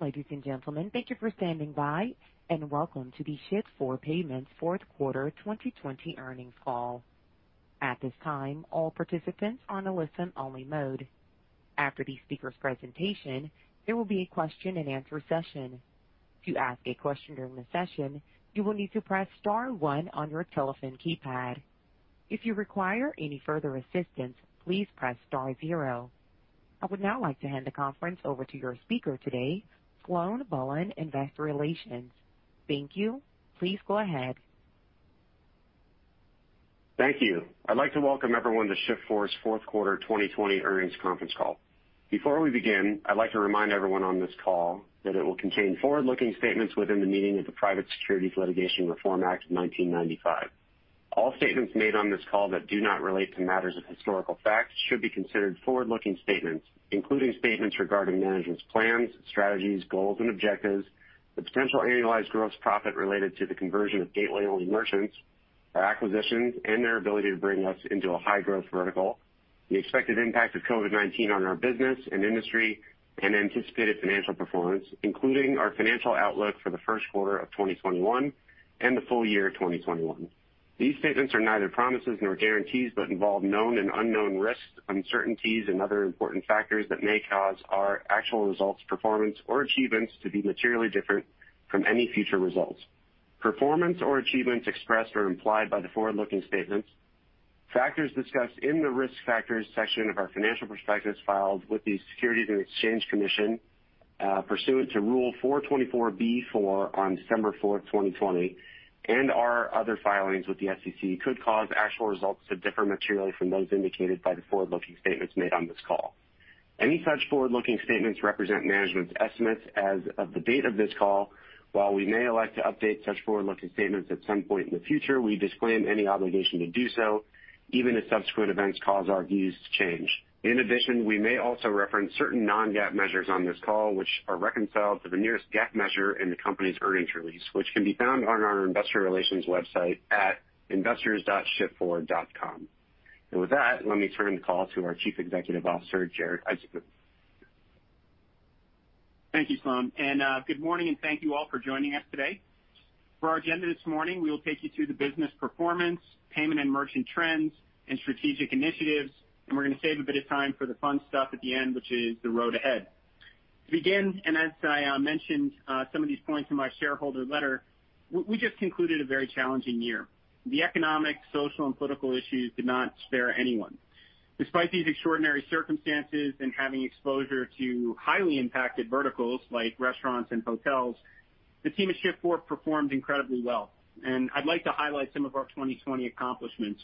Ladies and gentlemen, thank you for standing by, and welcome to the Shift4 Payments Fourth Quarter 2020 Earnings Call. At this time, all participants are in a listen-only mode. After the speaker's presentation, there will be a question-and-answer session. To ask a question during the session, you will need to press star one on your telephone keypad. If you require any further assistance, please press star zero. I would now like to hand the conference over to your speaker today, Sloan Bohlen, Investor Relations. Thank you. Please go ahead. Thank you. I'd like to welcome everyone to Shift4 Payments' fourth Quarter 2020 Earnings Conference Call. Before we begin, I'd like to remind everyone on this call that it will contain forward-looking statements within the meaning of the Private Securities Litigation Reform Act of 1995. All statements made on this call that do not relate to matters of historical fact should be considered forward-looking statements, including statements regarding management's plans, strategies, goals, and objectives, the potential annualized gross profit related to the conversion of gateway-only merchants, our acquisitions, and their ability to bring us into a high-growth vertical, the expected impact of COVID-19 on our business and industry, and anticipated financial performance, including our financial outlook for the 1st quarter of 2021 and the full year of 2021. These statements are neither promises nor guarantees but involve known and unknown risks, uncertainties, and other important factors that may cause our actual results, performance, or achievements to be materially different from any future results. Performance or achievements expressed or implied by the forward-looking statements, factors discussed in the Risk Factors section of our financial perspectives filed with the Securities and Exchange Commission, pursuant to Rule 424(b)(4) on December 4th, 2020, and our other filings with the SEC could cause actual results to differ materially from those indicated by the forward-looking statements made on this call. Any such forward-looking statements represent management's estimates as of the date of this call. While we may elect to update such forward-looking statements at some point in the future, we disclaim any obligation to do so, even if subsequent events cause our views to change. In addition, we may also reference certain non-GAAP measures on this call, which are reconciled to the nearest GAAP measure in the company's earnings release, which can be found on our investor relations website at investors.shift4.com. With that, let me turn the call to our Chief Executive Officer, Jared Isaacman. Thank you, Sloan. Good morning, and thank you all for joining us today. For our agenda this morning, we will take you through the business performance, payment and merchant trends, and strategic initiatives, we're going to save a bit of time for the fun stuff at the end, which is the road ahead. To begin, as I mentioned some of these points in my shareholder letter, we just concluded a very challenging year. The economic, social, and political issues did not spare anyone. Despite these extraordinary circumstances and having exposure to highly impacted verticals like restaurants and hotels, the team at Shift4 Payments performed incredibly well, I'd like to highlight some of our 2020 accomplishments.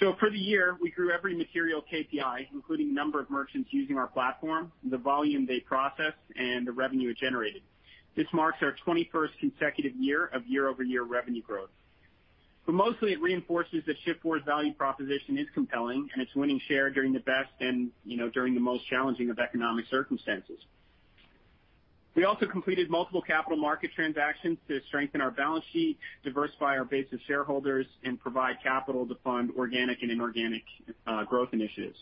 For the year, we grew every material KPI, including number of merchants using our platform, the volume they processed, and the revenue generated. This marks our 21st consecutive year of year-over-year revenue growth. Mostly it reinforces that Shift4's value proposition is compelling, and it's winning share during the best, and during the most challenging of economic circumstances. We also completed multiple capital market transactions to strengthen our balance sheet, diversify our base of shareholders, and provide capital to fund organic and inorganic growth initiatives.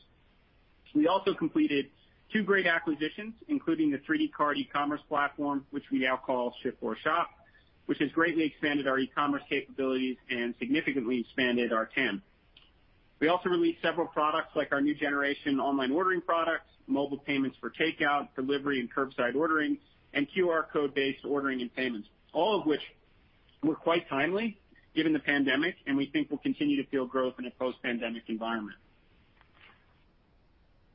We also completed two great acquisitions, including the 3dcart e-commerce platform, which we now call Shift4Shop, which has greatly expanded our e-commerce capabilities and significantly expanded our TAM. We also released several products like our new generation online ordering products, mobile payments for takeout, delivery, and curbside ordering, and QR code-based ordering and payments, all of which were quite timely given the pandemic, and we think will continue to fuel growth in a post-pandemic environment.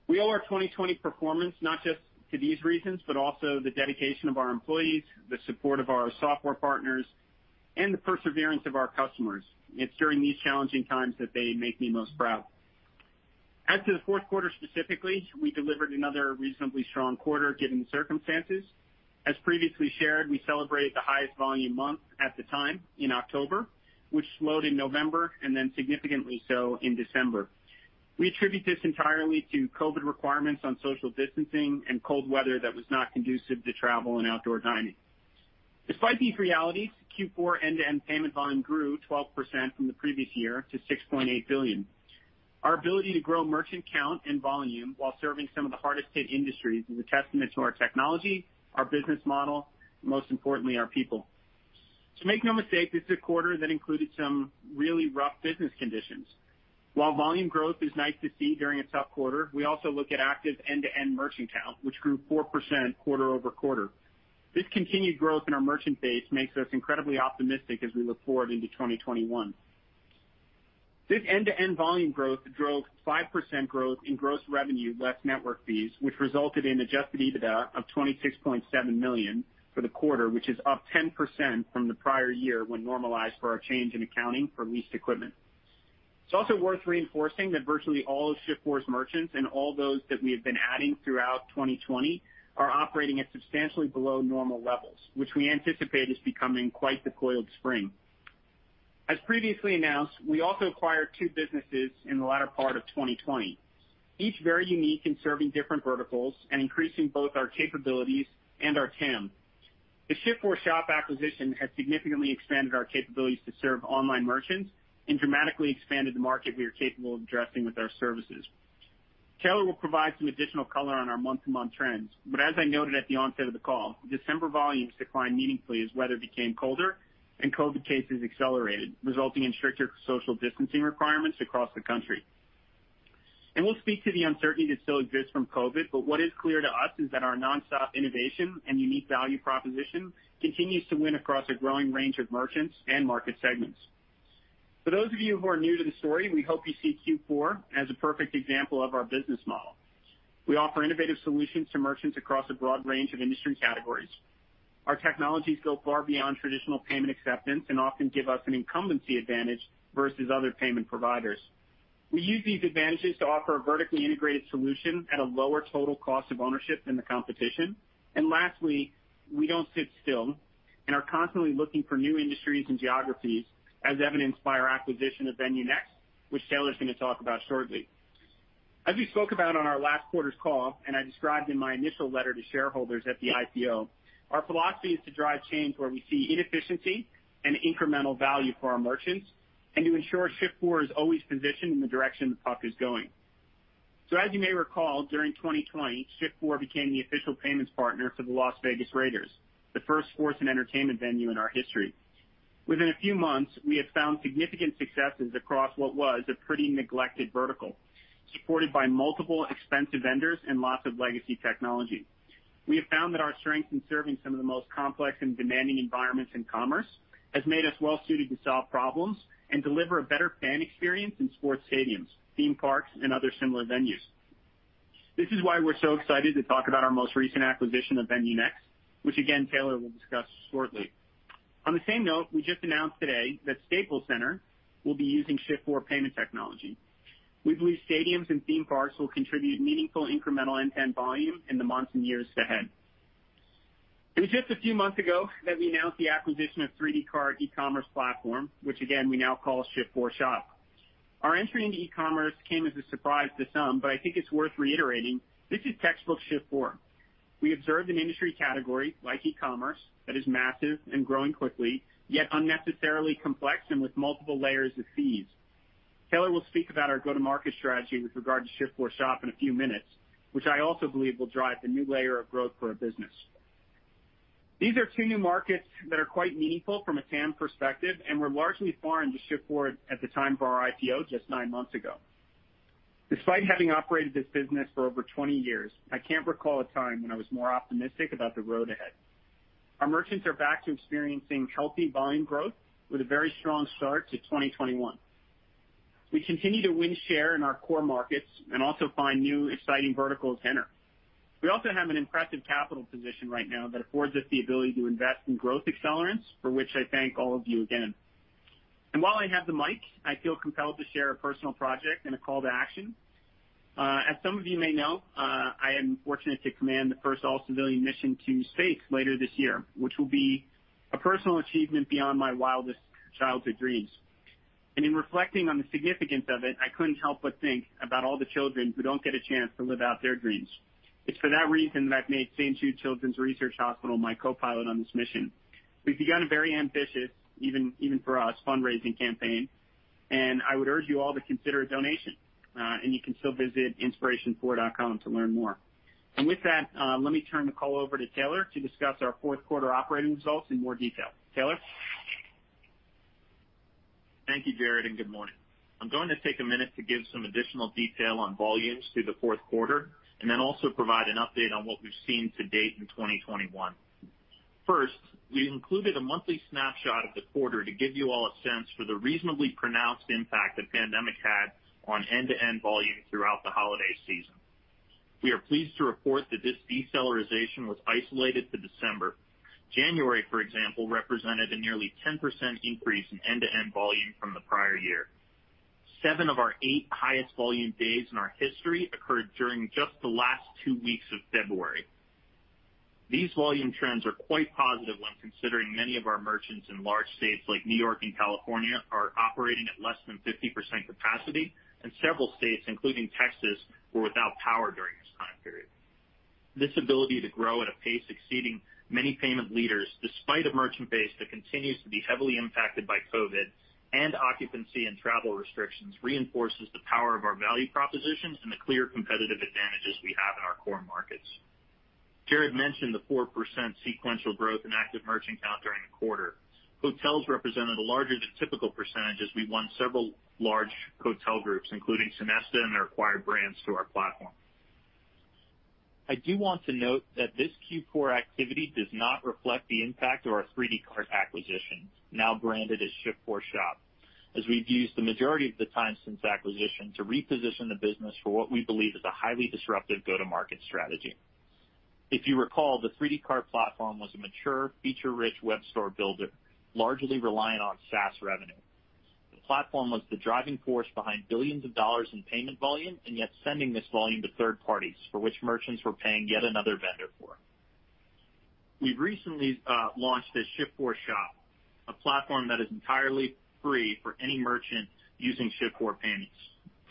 We owe our 2020 performance not just to these reasons, but also the dedication of our employees, the support of our software partners, and the perseverance of our customers. It's during these challenging times that they make me most proud. As to the fourth quarter specifically, we delivered another reasonably strong quarter given the circumstances. As previously shared, we celebrated the highest volume month at the time in October, which slowed in November and then significantly so in December. We attribute this entirely to COVID requirements on social distancing and cold weather that was not conducive to travel and outdoor dining. Despite these realities, Q4 end-to-end payment volume grew 12% from the previous year to $6.8 billion. Our ability to grow merchant count and volume while serving some of the hardest-hit industries is a testament to our technology, our business model, and most importantly, our people. Make no mistake, this is a quarter that included some really rough business conditions. While volume growth is nice to see during a tough quarter, we also look at active end-to-end merchant count, which grew 4% quarter-over-quarter. This continued growth in our merchant base makes us incredibly optimistic as we look forward into 2021. This end-to-end volume growth drove 5% growth in gross revenue, less network fees, which resulted in adjusted EBITDA of $26.7 million for the quarter, which is up 10% from the prior year when normalized for our change in accounting for leased equipment. It's also worth reinforcing that virtually all of Shift4 Payments' merchants and all those that we have been adding throughout 2020 are operating at substantially below normal levels, which we anticipate is becoming quite the coiled spring. As previously announced, we also acquired two businesses in the latter part of 2020. Each very unique in serving different verticals and increasing both our capabilities and our TAM. The Shift4Shop acquisition has significantly expanded our capabilities to serve online merchants and dramatically expanded the market we are capable of addressing with our services. Taylor will provide some additional color on our month-to-month trends, as I noted at the onset of the call, December volumes declined meaningfully as weather became colder and COVID cases accelerated, resulting in stricter social distancing requirements across the country. We'll speak to the uncertainty that still exists from COVID, what is clear to us is that our nonstop innovation and unique value proposition continues to win across a growing range of merchants and market segments. For those of you who are new to the story, we hope you see Q4 as a perfect example of our business model. We offer innovative solutions to merchants across a broad range of industry categories. Our technologies go far beyond traditional payment acceptance and often give us an incumbency advantage versus other payment providers. We use these advantages to offer a vertically integrated solution at a lower total cost of ownership than the competition. Lastly, we don't sit still and are constantly looking for new industries and geographies, as evidenced by our acquisition of VenueNext, which Taylor's going to talk about shortly. As we spoke about on our last quarter's call, and I described in my initial letter to shareholders at the IPO, our philosophy is to drive change where we see inefficiency and incremental value for our merchants, and to ensure Shift4 is always positioned in the direction the puck is going. As you may recall, during 2020, Shift4 Payments became the official payments partner for the Las Vegas Raiders, the first sports and entertainment venue in our history. Within a few months, we have found significant successes across what was a pretty neglected vertical, supported by multiple expensive vendors and lots of legacy technology. We have found that our strength in serving some of the most complex and demanding environments in commerce has made us well suited to solve problems and deliver a better fan experience in sports stadiums, theme parks, and other similar venues. This is why we're so excited to talk about our most recent acquisition of VenueNext, which again, Taylor will discuss shortly. On the same note, we just announced today that Staples Center will be using Shift4 Payments payment technology. We believe stadiums and theme parks will contribute meaningful incremental intent volume in the months and years ahead. It was just a few months ago that we announced the acquisition of 3dcart e-commerce platform, which again, we now call Shift4Shop. Our entry into e-commerce came as a surprise to some. I think it's worth reiterating this is textbook Shift4. We observed an industry category, like e-commerce, that is massive and growing quickly, yet unnecessarily complex and with multiple layers of fees. Taylor will speak about our go-to-market strategy with regard to Shift4Shop in a few minutes, which I also believe will drive a new layer of growth for our business. These are two new markets that are quite meaningful from a TAM perspective and were largely foreign to Shift4 at the time of our IPO just nine months ago. Despite having operated this business for over 20 years, I can't recall a time when I was more optimistic about the road ahead. Our merchants are back to experiencing healthy volume growth with a very strong start to 2021. We continue to win share in our core markets and also find new exciting verticals to enter. We also have an impressive capital position right now that affords us the ability to invest in growth accelerants, for which I thank all of you again. While I have the mic, I feel compelled to share a personal project and a call to action. As some of you may know, I am fortunate to command the first all-civilian mission to space later this year, which will be a personal achievement beyond my wildest childhood dreams. In reflecting on the significance of it, I couldn't help but think about all the children who don't get a chance to live out their dreams. It's for that reason that I've made St. Jude Children's Research Hospital my co-pilot on this mission. We've begun a very ambitious, even for us, fundraising campaign, and I would urge you all to consider a donation. You can still visit inspiration4.com to learn more. With that, let me turn the call over to Taylor to discuss our fourth quarter operating results in more detail. Taylor? Thank you, Jared, and good morning. I'm going to take a minute to give some additional detail on volumes through the fourth quarter and then also provide an update on what we've seen to date in 2021. First, we've included a monthly snapshot of the quarter to give you all a sense for the reasonably pronounced impact the pandemic had on end-to-end volume throughout the holiday season. We are pleased to report that this deceleration was isolated to December. January, for example, represented a nearly 10% increase in end-to-end volume from the prior year. Seven of our eight highest volume days in our history occurred during just the last two weeks of February. These volume trends are quite positive when considering many of our merchants in large states like New York and California are operating at less than 50% capacity, and several states, including Texas, were without power during this time period. This ability to grow at a pace exceeding many payment leaders, despite a merchant base that continues to be heavily impacted by COVID and occupancy and travel restrictions, reinforces the power of our value proposition and the clear competitive advantages we have in our core markets. Jared mentioned the 4% sequential growth in active merchant count during the quarter. Hotels represented a larger than typical percentage as we won several large hotel groups, including Sonesta and their acquired brands, to our platform. I do want to note that this Q4 activity does not reflect the impact of our 3dcart acquisition, now branded as Shift4Shop, as we've used the majority of the time since acquisition to reposition the business for what we believe is a highly disruptive go-to-market strategy. If you recall, the 3dcart platform was a mature, feature-rich web store builder, largely reliant on SaaS revenue. The platform was the driving force behind billions of dollars in payment volume and yet sending this volume to third parties for which merchants were paying yet another vendor for. We've recently launched Shift4Shop, a platform that is entirely free for any merchant using Shift4 Payments.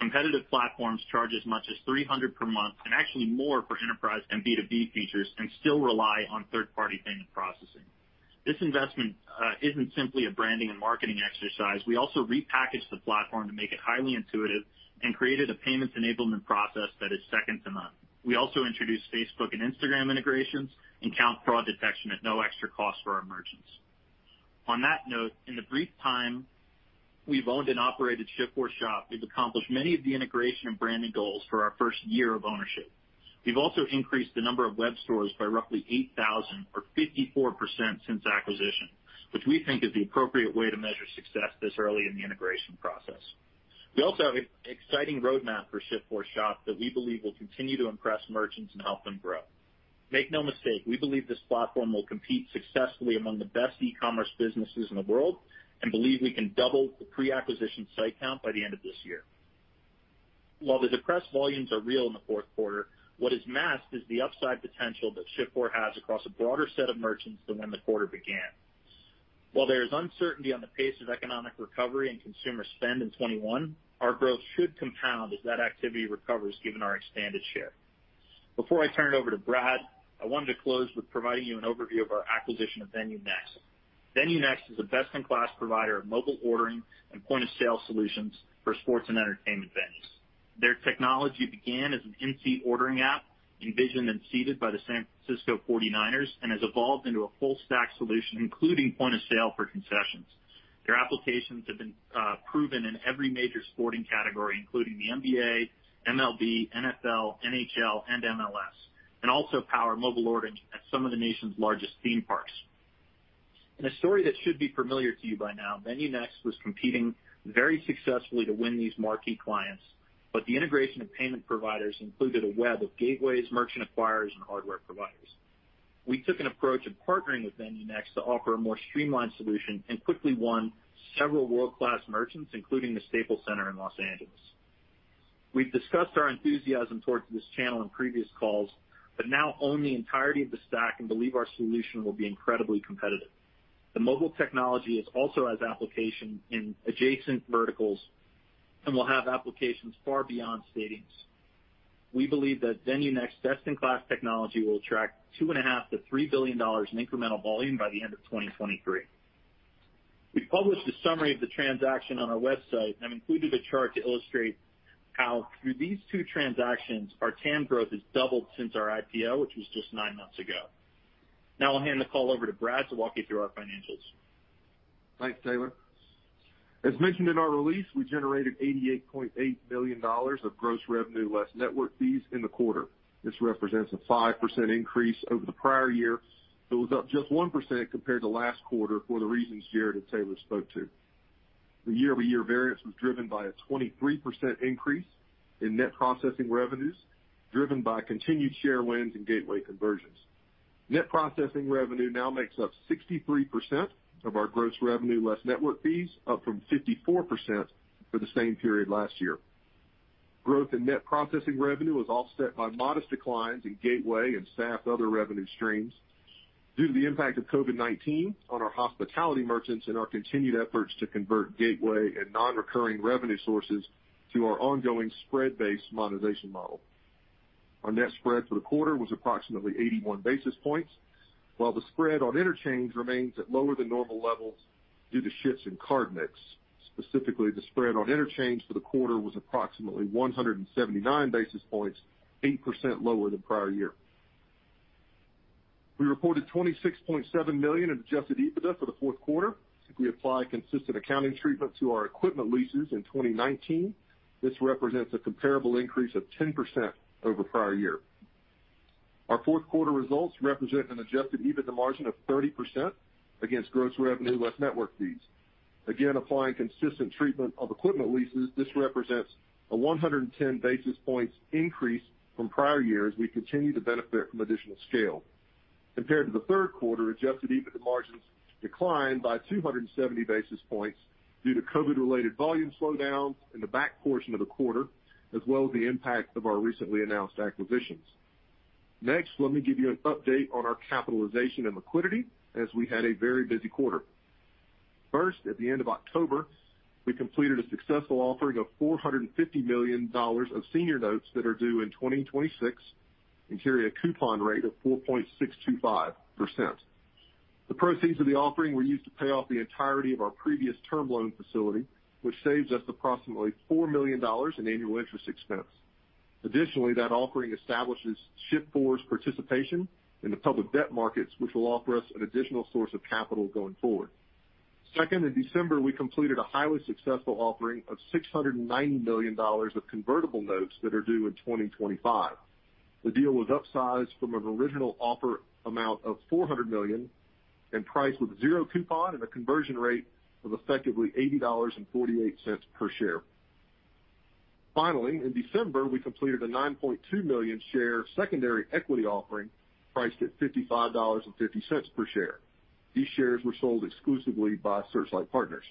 Competitive platforms charge as much as $300 per month and actually more for enterprise and B2B features and still rely on third-party payment processing. This investment isn't simply a branding and marketing exercise. We also repackaged the platform to make it highly intuitive and created a payments enablement process that is second to none. We also introduced Facebook and Instagram integrations and count fraud detection at no extra cost for our merchants. On that note, in the brief time we've owned and operated Shift4Shop, we've accomplished many of the integration and branding goals for our first year of ownership. We've also increased the number of web stores by roughly 8,000 or 54% since acquisition, which we think is the appropriate way to measure success this early in the integration process. We also have an exciting roadmap for Shift4Shop that we believe will continue to impress merchants and help them grow. Make no mistake, we believe this platform will compete successfully among the best e-commerce businesses in the world and believe we can double the pre-acquisition site count by the end of this year. While the depressed volumes are real in the fourth quarter, what is masked is the upside potential that Shift4 has across a broader set of merchants than when the quarter began. While there is uncertainty on the pace of economic recovery and consumer spend in 2021, our growth should compound as that activity recovers given our expanded share. Before I turn it over to Brad, I wanted to close with providing you an overview of our acquisition of VenueNext. VenueNext is a best-in-class provider of mobile ordering and point-of-sale solutions for sports and entertainment venues. Their technology began as an in-seat ordering app envisioned and seeded by the San Francisco 49ers, and has evolved into a full stack solution, including point of sale for concessions. Their applications have been proven in every major sporting category, including the NBA, MLB, NFL, NHL, and MLS, and also power mobile ordering at some of the nation's largest theme parks. In a story that should be familiar to you by now, VenueNext was competing very successfully to win these marquee clients. The integration of payment providers included a web of gateways, merchant acquirers, and hardware providers. We took an approach of partnering with VenueNext to offer a more streamlined solution and quickly won several world-class merchants, including the Staples Center in Los Angeles. We've discussed our enthusiasm towards this channel in previous calls, but now own the entirety of the stack and believe our solution will be incredibly competitive. The mobile technology also has application in adjacent verticals and will have applications far beyond stadiums. We believe that VenueNext's best-in-class technology will attract $2.5 billion-$3 billion in incremental volume by the end of 2023. I've included a chart to illustrate how through these two transactions, our TAM growth has doubled since our IPO, which was just nine months ago. I'll hand the call over to Brad to walk you through our financials. Thanks, Taylor. As mentioned in our release, we generated $88.8 million of gross revenue less network fees in the quarter. This represents a 5% increase over the prior year but was up just 1% compared to last quarter for the reasons Jared and Taylor spoke to. The year-over-year variance was driven by a 23% increase in net processing revenues, driven by continued share wins and gateway conversions. Net processing revenue now makes up 63% of our gross revenue less network fees, up from 54% for the same period last year. Growth in net processing revenue was offset by modest declines in gateway and SAF other revenue streams due to the impact of COVID-19 on our hospitality merchants and our continued efforts to convert gateway and non-recurring revenue sources to our ongoing spread-based monetization model. Our net spread for the quarter was approximately 81 basis points, while the spread on interchange remains at lower than normal levels due to shifts in card mix. Specifically, the spread on interchange for the quarter was approximately 179 basis points, 8% lower than prior year. We reported $26.7 million in adjusted EBITDA for the fourth quarter. If we apply consistent accounting treatment to our equipment leases in 2019, this represents a comparable increase of 10% over prior year. Our fourth quarter results represent an adjusted EBITDA margin of 30% against gross revenue less network fees. Again, applying consistent treatment of equipment leases, this represents a 110 basis points increase from prior years as we continue to benefit from additional scale. Compared to the third quarter, adjusted EBITDA margins declined by 270 basis points due to COVID-related volume slowdowns in the back portion of the quarter, as well as the impact of our recently announced acquisitions. Next, let me give you an update on our capitalization and liquidity, as we had a very busy quarter. First, at the end of October, we completed a successful offering of $450 million of senior notes that are due in 2026 and carry a coupon rate of 4.625%. The proceeds of the offering were used to pay off the entirety of our previous term loan facility, which saves us approximately $4 million in annual interest expense. That offering establishes Shift4 Payments' participation in the public debt markets, which will offer us an additional source of capital going forward. Second, in December, we completed a highly successful offering of $690 million of convertible notes that are due in 2025. The deal was upsized from an original offer amount of $400 million and priced with zero coupon and a conversion rate of effectively $80.48 per share. Finally, in December, we completed a 9.2 million-share secondary equity offering priced at $55.50 per share. These shares were sold exclusively by Searchlight Capital Partners.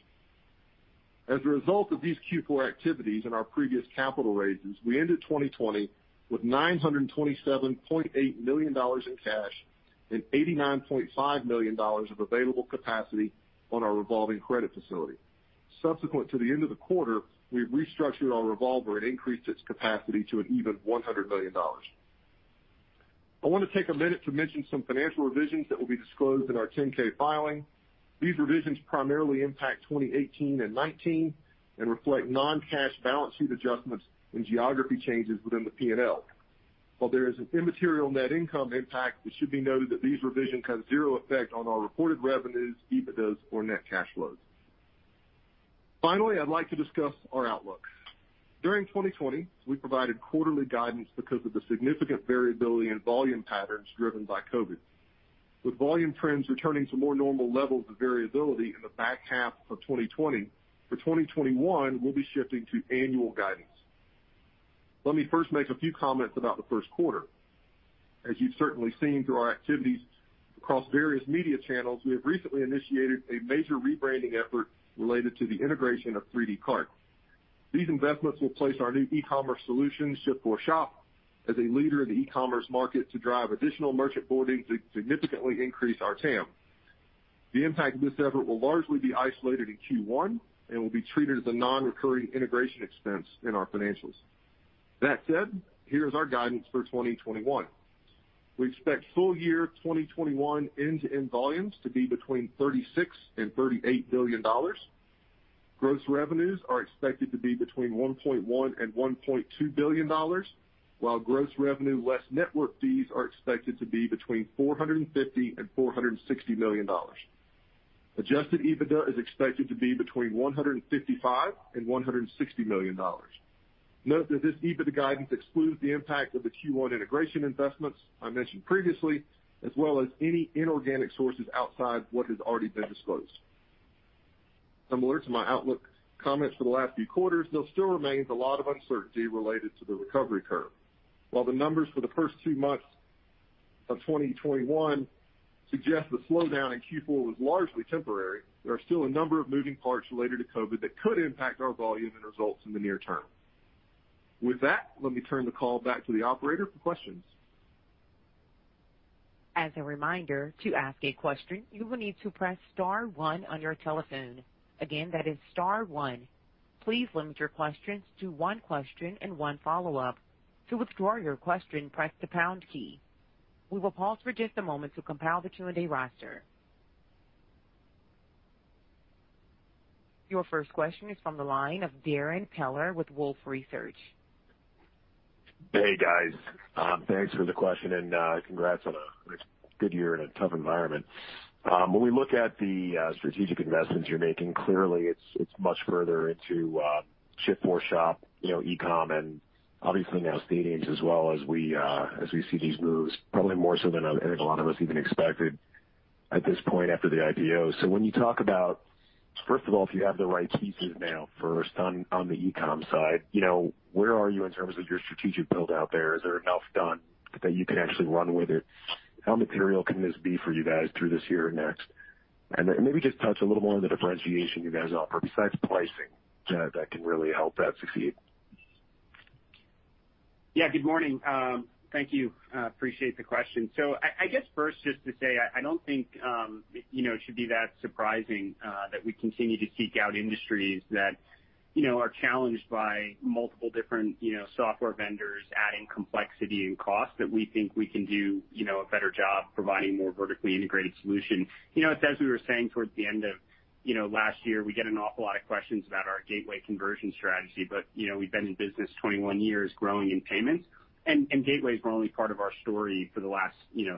As a result of these Q4 activities and our previous capital raises, we ended 2020 with $927.8 million in cash and $89.5 million of available capacity on our revolving credit facility. Subsequent to the end of the quarter, we've restructured our revolver and increased its capacity to an even $100 million. I want to take a minute to mention some financial revisions that will be disclosed in our 10-K filing. These revisions primarily impact 2018 and 2019 and reflect non-cash balance sheet adjustments and geography changes within the P&L. While there is an immaterial net income impact, it should be noted that these revisions have zero effect on our reported revenues, EBITDAs, or net cash flows. I'd like to discuss our outlook. During 2020, we provided quarterly guidance because of the significant variability in volume patterns driven by COVID. With volume trends returning to more normal levels of variability in the back half of 2020, for 2021, we'll be shifting to annual guidance. Let me first make a few comments about the first quarter. As you've certainly seen through our activities across various media channels, we have recently initiated a major rebranding effort related to the integration of 3dcart. These investments will place our new e-commerce solution, Shift4Shop, as a leader in the e-commerce market to drive additional merchant boarding to significantly increase our TAM. The impact of this effort will largely be isolated in Q1 and will be treated as a non-recurring integration expense in our financials. That said, here is our guidance for 2021. We expect full year 2021 end-to-end volumes to be between $36 billion-$38 billion. Gross revenues are expected to be between $1.1 billion-$1.2 billion, while gross revenue less network fees are expected to be between $450 million-$460 million. Adjusted EBITDA is expected to be between $155 million-$160 million. Note that this EBITDA guidance excludes the impact of the Q1 integration investments I mentioned previously, as well as any inorganic sources outside what has already been disclosed. Similar to my outlook comments for the last few quarters, there still remains a lot of uncertainty related to the recovery curve. While the numbers for the first two months of 2021 suggest the slowdown in Q4 was largely temporary, there are still a number of moving parts related to COVID that could impact our volume and results in the near term. With that, let me turn the call back to the operator for questions. As a reminder, to ask a question, you will need to press star one on your telephone. Again, that is star one. Please limit your questions to one question and one follow-up. To withdraw your question, press the pound key. We will pause for just a moment to compile the Q&A roster. Your first question is from the line of Darrin Peller with Wolfe Research. Hey, guys. Thanks for the question and congrats on a good year in a tough environment. When we look at the strategic investments you're making, clearly it's much further into Shift4Shop, e-com, and obviously now stadiums as well as we see these moves, probably more so than I think a lot of us even expected at this point after the IPO. When you talk about, first of all, if you have the right pieces now first on the e-com side, where are you in terms of your strategic build-out there? Is there enough done that you can actually run with it? How material can this be for you guys through this year and next? And maybe just touch a little more on the differentiation you guys offer besides pricing that can really help that succeed. Yeah, good morning. Thank you. Appreciate the question. I guess first just to say, I don't think it should be that surprising that we continue to seek out industries that are challenged by multiple different software vendors adding complexity and cost that we think we can do a better job providing more vertically integrated solution. As we were saying towards the end of last year, we get an awful lot of questions about our gateway conversion strategy, but we've been in business 21 years growing in payments, and gateways were only part of our story for the last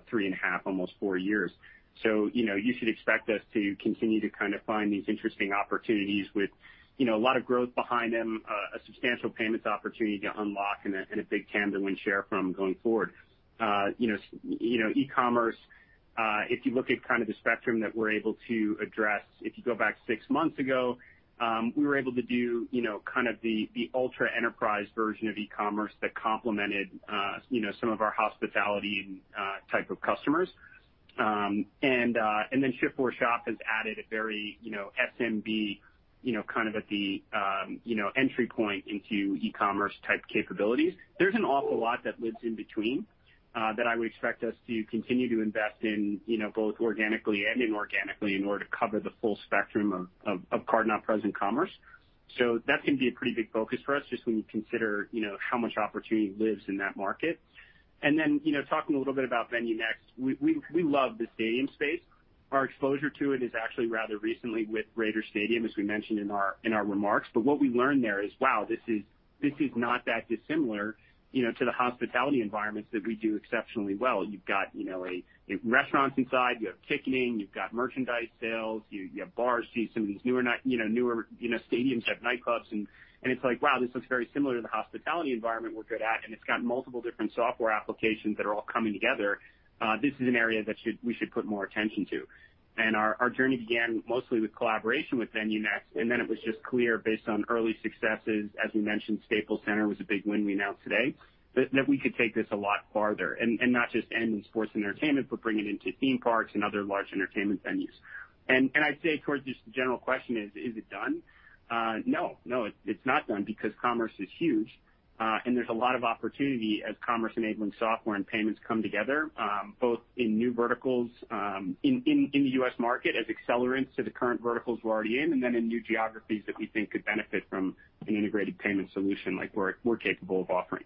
three and a half, almost four years. You should expect us to continue to find these interesting opportunities with a lot of growth behind them, a substantial payments opportunity to unlock, and a big TAM to win share from going forward. E-commerce, if you look at the spectrum that we're able to address, if you go back six months ago, we were able to do the ultra-enterprise version of e-commerce that complemented some of our hospitality type of customers. Shift4Shop has added a very SMB at the entry point into e-commerce type capabilities. There's an awful lot that lives in between that I would expect us to continue to invest in both organically and inorganically in order to cover the full spectrum of card-not-present commerce. That's going to be a pretty big focus for us just when you consider how much opportunity lives in that market. Talking a little bit about VenueNext, we love the stadium space. Our exposure to it is actually rather recently with Raiders Stadium, as we mentioned in our remarks. What we learned there is, wow, this is not that dissimilar to the hospitality environments that we do exceptionally well. You've got restaurants inside, you have ticketing, you've got merchandise sales, you have bars. Some of these newer stadiums have nightclubs, and it's like, wow, this looks very similar to the hospitality environment we're good at, and it's got multiple different software applications that are all coming together. This is an area that we should put more attention to. Our journey began mostly with collaboration with VenueNext, and then it was just clear based on early successes, as we mentioned, Staples Center was a big win we announced today, that we could take this a lot farther and not just end in sports and entertainment, but bring it into theme parks and other large entertainment venues. I'd say towards just the general question is it done? No, it's not done because commerce is huge, and there's a lot of opportunity as commerce enabling software and payments come together, both in new verticals in the U.S. market as accelerants to the current verticals we're already in, and then in new geographies that we think could benefit from an integrated payment solution like we're capable of offering.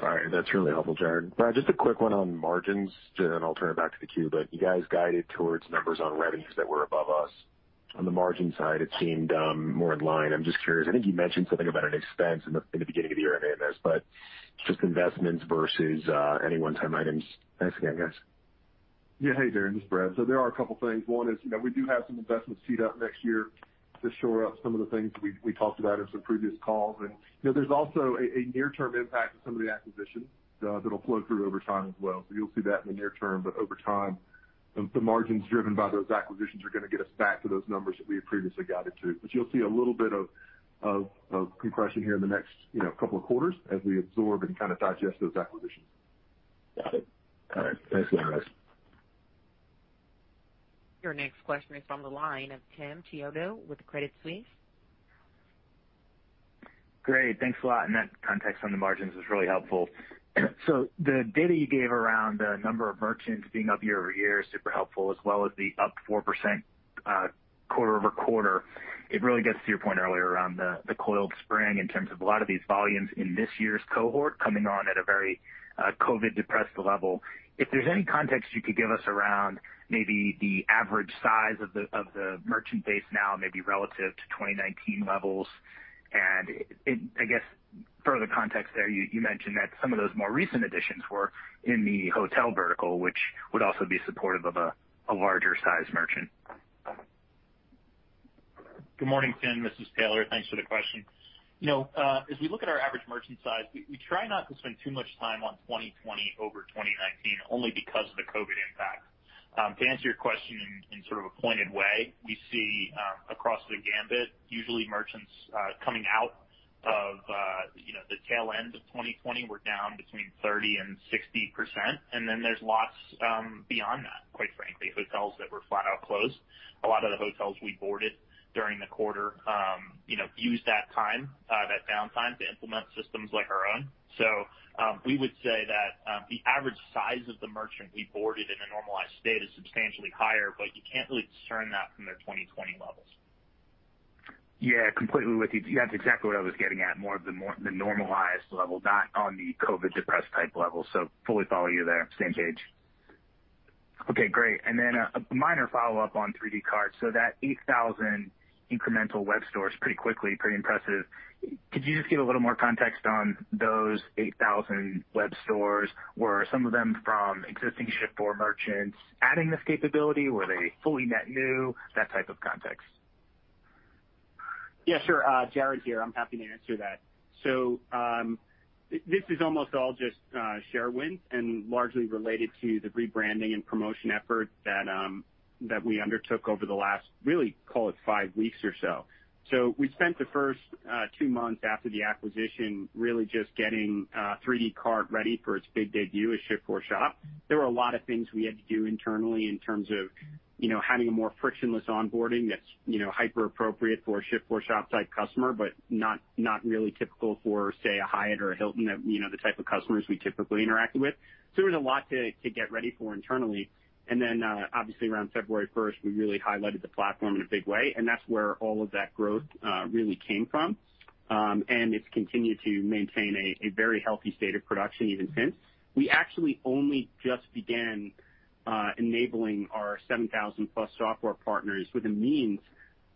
All right. That's really helpful, Jared. Brad, just a quick one on margins, then I'll turn it back to the queue. You guys guided towards numbers on revenues that were above us. On the margin side, it seemed more in line. I'm just curious, I think you mentioned something about an expense in the beginning of the year in this, but just investments versus any one-time items. Thanks again, guys. Yeah. Hey, Darrin, this is Brad. There are a couple things. One is, we do have some investments teed up next year to shore up some of the things we talked about in some previous calls. There's also a near-term impact of some of the acquisitions that'll flow through over time as well. You'll see that in the near term, but over time, the margins driven by those acquisitions are going to get us back to those numbers that we had previously guided to. You'll see a little bit of compression here in the next couple of quarters as we absorb and kind of digest those acquisitions. Got it, all right. Thanks for the advice. Your next question is on the line of Tim Chiodo with Credit Suisse. Great, thanks a lot. That context on the margins was really helpful. The data you gave around the number of merchants being up year-over-year is super helpful, as well as the up 4% quarter-over-quarter. It really gets to your point earlier around the coiled spring in terms of a lot of these volumes in this year's cohort coming on at a very COVID-depressed level. If there's any context you could give us around maybe the average size of the merchant base now, maybe relative to 2019 levels, and I guess further context there, you mentioned that some of those more recent additions were in the hotel vertical, which would also be supportive of a larger size merchant. Good morning, Tim. This is Taylor, thanks for the question. As we look at our average merchant size, we try not to spend too much time on 2020 over 2019 only because of the COVID impact. To answer your question in sort of a pointed way, we see across the gamut, usually merchants coming out of the tail end of 2020 were down between 30% and 60%, and then there's lots beyond that, quite frankly. Hotels that were flat out closed. A lot of the hotels we boarded during the quarter used that time, that downtime to implement systems like our own. We would say that the average size of the merchant we boarded in a normalized state is substantially higher, but you can't really discern that from their 2020 levels. Yeah, completely with you. That's exactly what I was getting at, more of the normalized level, not on the COVID-depressed type level. Fully follow you there. Same page. Okay, great. A minor follow-up on 3dcart. That 8,000 incremental web stores pretty quickly, pretty impressive. Could you just give a little more context on those 8,000 web stores? Were some of them from existing Shift4 merchants adding this capability? Were they fully net new? That type of context. Yeah, sure. Jared here, I'm happy to answer that. This is almost all just share wins and largely related to the rebranding and promotion effort that we undertook over the last, really call it five weeks or so. We spent the first two months after the acquisition really just getting 3dcart ready for its big debut as Shift4Shop. There were a lot of things we had to do internally in terms of having a more frictionless onboarding that's hyper-appropriate for a Shift4Shop type customer, but not really typical for, say, a Hyatt or a Hilton, the type of customers we typically interacted with. There was a lot to get ready for internally. Obviously around February 1st, we really highlighted the platform in a big way, and that's where all of that growth really came from. It's continued to maintain a very healthy state of production even since. We actually only just began enabling our 7,000-plus software partners with a means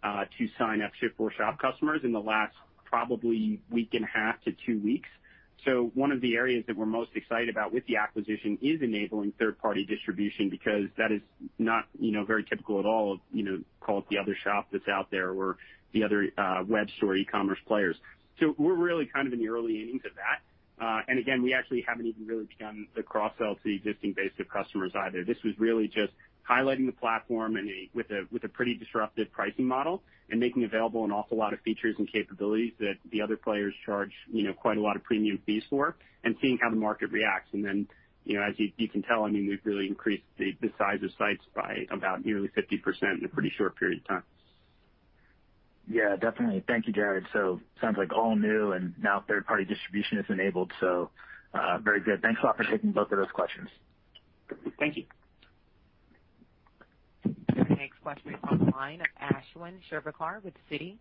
to sign up Shift4Shop customers in the last probably one and a half to two weeks. One of the areas that we're most excited about with the acquisition is enabling third-party distribution because that is not very typical at all, call it the other shop that's out there or the other web store e-commerce players. Again, we actually haven't even really begun the cross-sell to the existing base of customers either. This was really just highlighting the platform with a pretty disruptive pricing model and making available an awful lot of features and capabilities that the other players charge quite a lot of premium fees for, and seeing how the market reacts. As you can tell, we've really increased the size of sites by about nearly 50% in a pretty short period of time. Yeah, definitely, thank you, Jared. Sounds like all new and now third-party distribution is enabled. Very good. Thanks a lot for taking both of those questions. Thank you. Your next question is on the line of Ashwin Shirvaikar with Citi.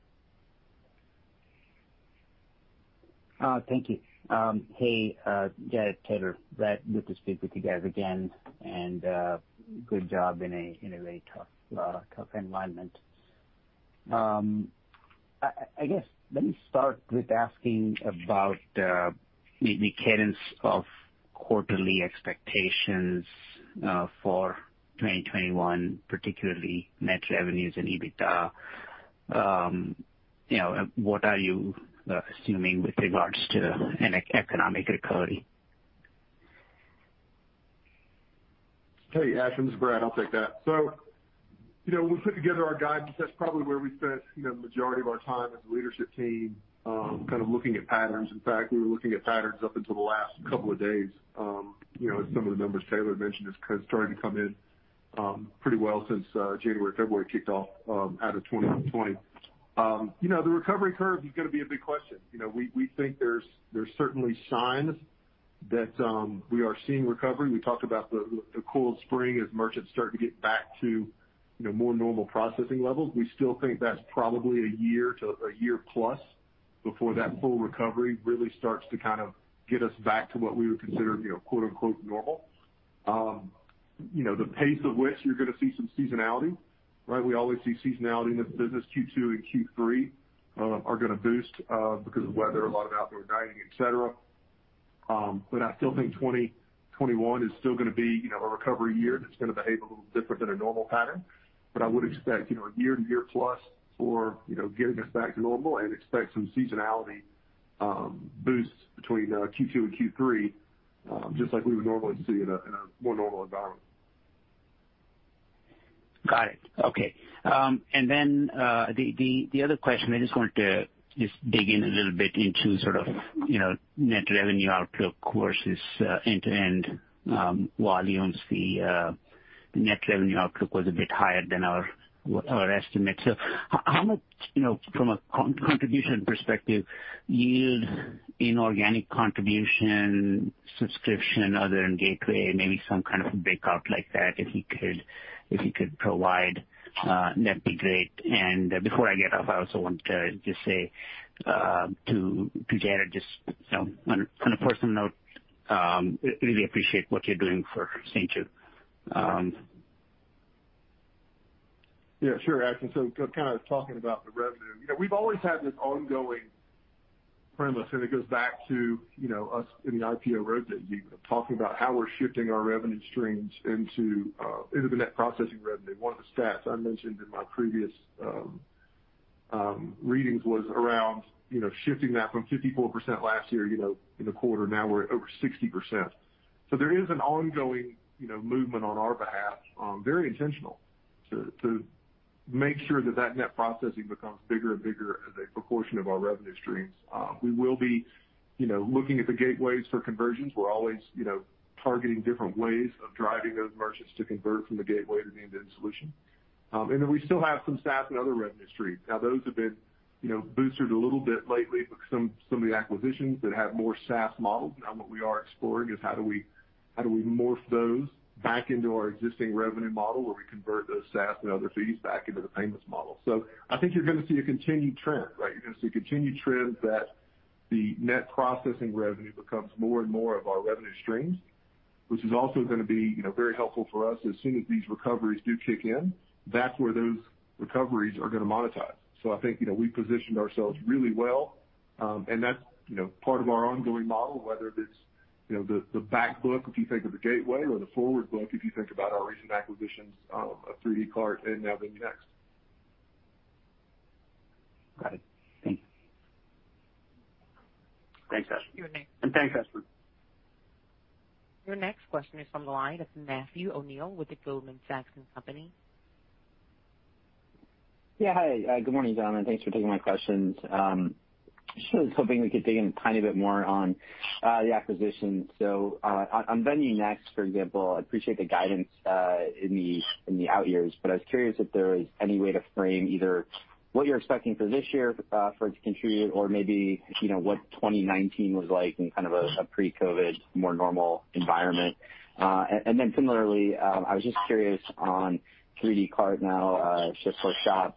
Thank you. Hey, Jared, Taylor, Brad, good to speak with you guys again, and good job in a very tough environment. I guess let me start with asking about the cadence of quarterly expectations for 2021, particularly net revenues and EBITDA. What are you assuming with regards to an economic recovery? Hey, Ashwin, this is Brad. I'll take that. When we put together our guidance, that's probably where we spent the majority of our time as a leadership team looking at patterns. In fact, we were looking at patterns up until the last couple of days. As some of the numbers Taylor mentioned, it's starting to come in pretty well since January, February kicked off out of 2020. The recovery curve is going to be a big question. We think there's certainly signs that we are seeing recovery, we talked about the coiled spring as merchants start to get back to more normal processing levels. We still think that's probably one year to one year plus before that full recovery really starts to get us back to what we would consider "normal." The pace of which you're going to see some seasonality, right? We always see seasonality in this business. Q2 and Q3 are going to boost because of weather, a lot of outdoor dining, et cetera. I still think 2021 is still going to be a recovery year that's going to behave a little different than a normal pattern. I would expect a year to a year plus for getting us back to normal and expect some seasonality boosts between Q2 and Q3, just like we would normally see in a more normal environment. Got it, okay. The other question, I just wanted to just dig in a little bit into net revenue outlook versus end-to-end volumes. The net revenue outlook was a bit higher than our estimate. How much, from a contribution perspective, yield in organic contribution, subscription, other, and gateway, maybe some kind of a breakout like that, if you could provide, that'd be great. Before I get off, I also wanted to just say to Jared, just on a personal note, really appreciate what you're doing for St. Jude. Yeah, sure, Ashwin. Kind of talking about the revenue, we've always had this ongoing premise, and it goes back to us in the IPO roadshow talking about how we're shifting our revenue streams into the net processing revenue. One of the stats I mentioned in my previous readings was around shifting that from 54% last year in the quarter. Now we're at over 60%. There is an ongoing movement on our behalf, very intentional, to make sure that that net processing becomes bigger and bigger as a proportion of our revenue streams. We will be looking at the gateways for conversions. We're always targeting different ways of driving those merchants to convert from the gateway to the end-to-end solution. We still have some SaaS and other revenue streams. Those have been boosted a little bit lately with some of the acquisitions that have more SaaS models. What we are exploring is how do we morph those back into our existing revenue model, where we convert those SaaS and other fees back into the payments model. I think you're going to see a continued trend, right? You're going to see a continued trend that the net processing revenue becomes more and more of our revenue streams, which is also going to be very helpful for us as soon as these recoveries do kick in. That's where those recoveries are going to monetize. I think we positioned ourselves really well, and that's part of our ongoing model, whether it's the back book, if you think of the gateway, or the forward book, if you think about our recent acquisitions of 3dcart and now VenueNext. Got it, thank you. Thanks, Ashwin. Your next- Thanks, Ashwin. Your next question is from the line of Matthew O'Neill with the Goldman Sachs & Co. Yeah. Hi, good morning, gentlemen, and thanks for taking my questions. Was hoping we could dig in a tiny bit more on the acquisitions. On VenueNext, for example, I appreciate the guidance in the out years, but I was curious if there was any way to frame either what you're expecting for this year for it to contribute or maybe what 2019 was like in kind of a pre-COVID, more normal environment. Similarly, I was just curious on 3dcart now, Shift4Shop,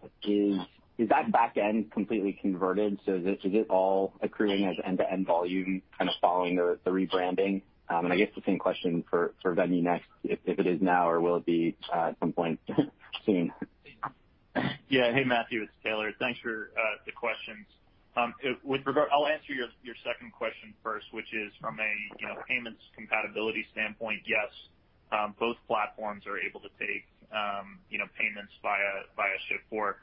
is that back end completely converted? Is it all accruing as end-to-end volume, kind of following the rebranding? I guess the same question for VenueNext, if it is now or will it be at some point soon? Yeah. Hey, Matthew, it's Taylor. Thanks for the questions. I'll answer your second question first, which is from a payments compatibility standpoint, yes, both platforms are able to take payments via Shift4 Payments.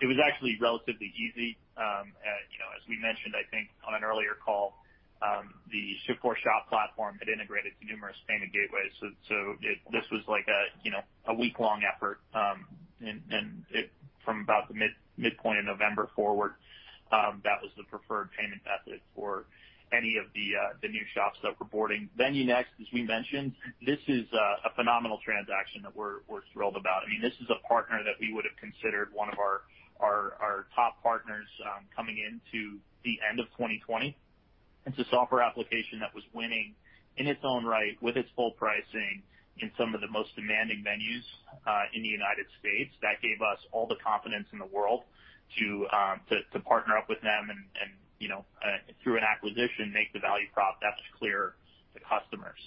It was actually relatively easy. As we mentioned, I think, on an earlier call, the Shift4Shop platform had integrated to numerous payment gateways. This was like a week-long effort, and from about the midpoint of November forward, that was the preferred payment method for any of the new shops that were boarding. VenueNext, as we mentioned, this is a phenomenal transaction that we're thrilled about. This is a partner that we would have considered one of our top partners coming into the end of 2020. It's a software application that was winning in its own right, with its full pricing in some of the most demanding venues in the U.S. That gave us all the confidence in the world to partner up with them and, through an acquisition, make the value prop that much clearer to customers.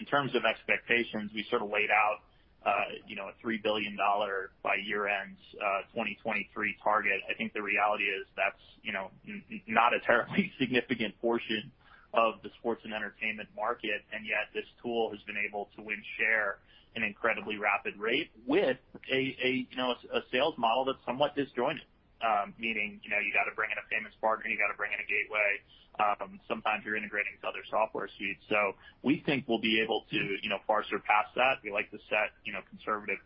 In terms of expectations, we sort of laid out a $3 billion by year-end 2023 target. I think the reality is that's not a terribly significant portion of the sports and entertainment market, and yet this tool has been able to win share at an incredibly rapid rate with a sales model that's somewhat disjointed, meaning, you got to bring in a payments partner, you got to bring in a gateway. Sometimes you're integrating with other software suites. We think we'll be able to far surpass that. We like to set conservative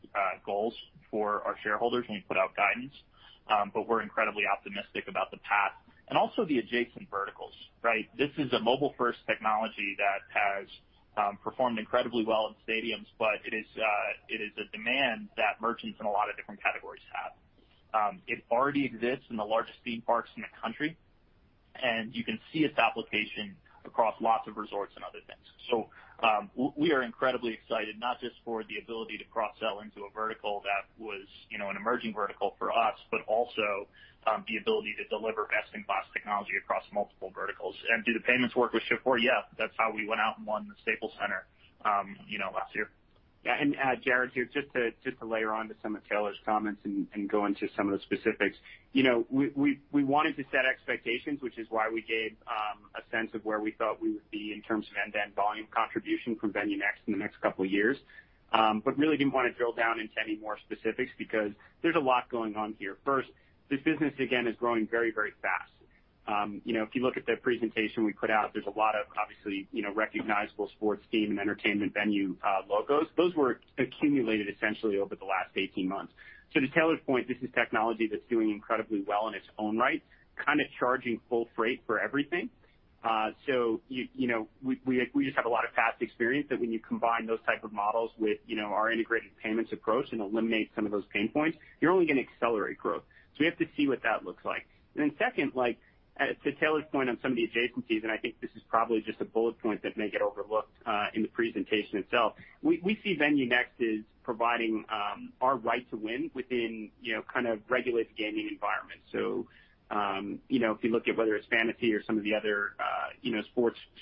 goals for our shareholders when we put out guidance, but we're incredibly optimistic about the path and also the adjacent verticals, right? This is a mobile-first technology that has performed incredibly well in stadiums, but it is a demand that merchants in a lot of different categories have. It already exists in the largest theme parks in the country, and you can see its application across lots of resorts and other things. We are incredibly excited, not just for the ability to cross-sell into a vertical that was an emerging vertical for us, but also the ability to deliver best-in-class technology across multiple verticals. Do the payments work with Shift4? Yeah. That's how we went out and won the Staples Center last year. Yeah. Jared, here just to layer on to some of Taylor's comments and go into some of the specifics. We wanted to set expectations, which is why we gave a sense of where we thought we would be in terms of end-to-end volume contribution from VenueNext in the next couple of years. Really didn't want to drill down into any more specifics because there's a lot going on here. First, this business, again, is growing very fast. If you look at the presentation we put out, there's a lot of, obviously, recognizable sports team and entertainment venue logos. Those were accumulated essentially over the last 18 months. To Taylor's point, this is technology that's doing incredibly well in its own right, kind of charging full freight for everything. We just have a lot of past experience that when you combine those type of models with our integrated payments approach and eliminate some of those pain points, you're only going to accelerate growth, so we have to see what that looks like. Then second, to Taylor's point on some of the adjacencies, and I think this is probably just a bullet point that may get overlooked in the presentation itself. We see VenueNext as providing our right to win within kind of regulated gaming environments. If you look at whether it's fantasy or some of the other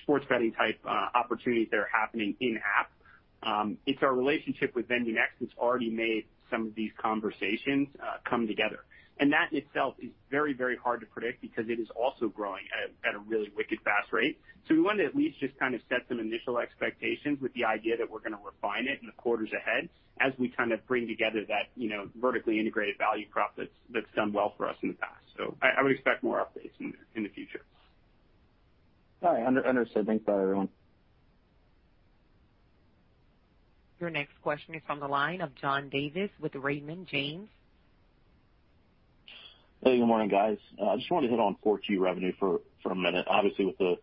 sports betting-type opportunities that are happening in-app, it's our relationship with VenueNext that's already made some of these conversations come together. That itself is very hard to predict because it is also growing at a really wicked fast rate. We wanted to at least just kind of set some initial expectations with the idea that we're going to refine it in the quarters ahead as we bring together that vertically integrated value prop that's done well for us in the past. I would expect more updates in the future. All right, understood. Thanks. Bye, everyone. Your next question is from the line of John Davis with Raymond James. Hey, good morning, guys. I just wanted to hit on Q4 revenue for a minute. Obviously, with the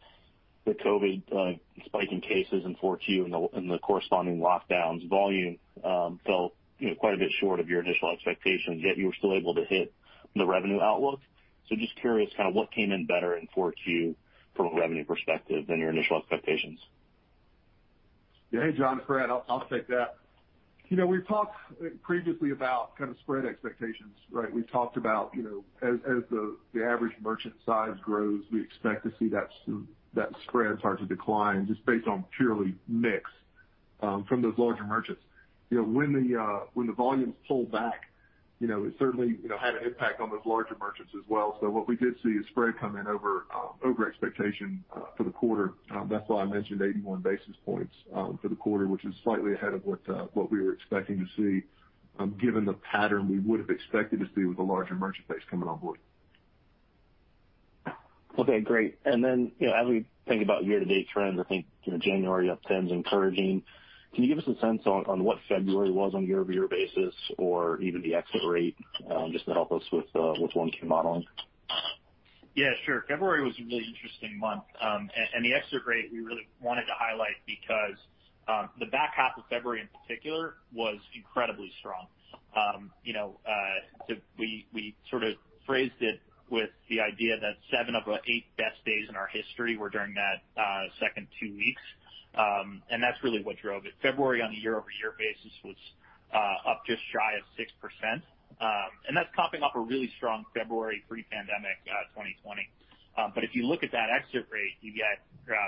COVID spike in cases in Q4 and the corresponding lockdowns, volume fell quite a bit short of your initial expectations, yet you were still able to hit the revenue outlook. Just curious, what came in better in Q4 from a revenue perspective than your initial expectations? Yeah. Hey, John, it's Brad, I'll take that. We've talked previously about spread expectations, right? We've talked about as the average merchant size grows, we expect to see that spread start to decline just based on purely mix from those larger merchants. When the volumes pulled back, it certainly had an impact on those larger merchants as well. What we did see is spread come in over expectation for the quarter. That's why I mentioned 81 basis points for the quarter, which is slightly ahead of what we were expecting to see, given the pattern we would've expected to see with a larger merchant base coming on board. Okay, great. As we think about year-to-date trends, I think January up 10% encouraging. Can you give us a sense on what February was on year-over-year basis or even the exit rate, just to help us with 1Q modeling? Yeah, sure. February was a really interesting month. The exit rate we really wanted to highlight because the back half of February in particular was incredibly strong. We sort of phrased it with the idea that seven of our eight best days in our history were during that second two weeks, and that's really what drove it. February on a year-over-year basis was up just shy of 6%. That's topping off a really strong February pre-pandemic 2020, but if you look at that exit rate, you get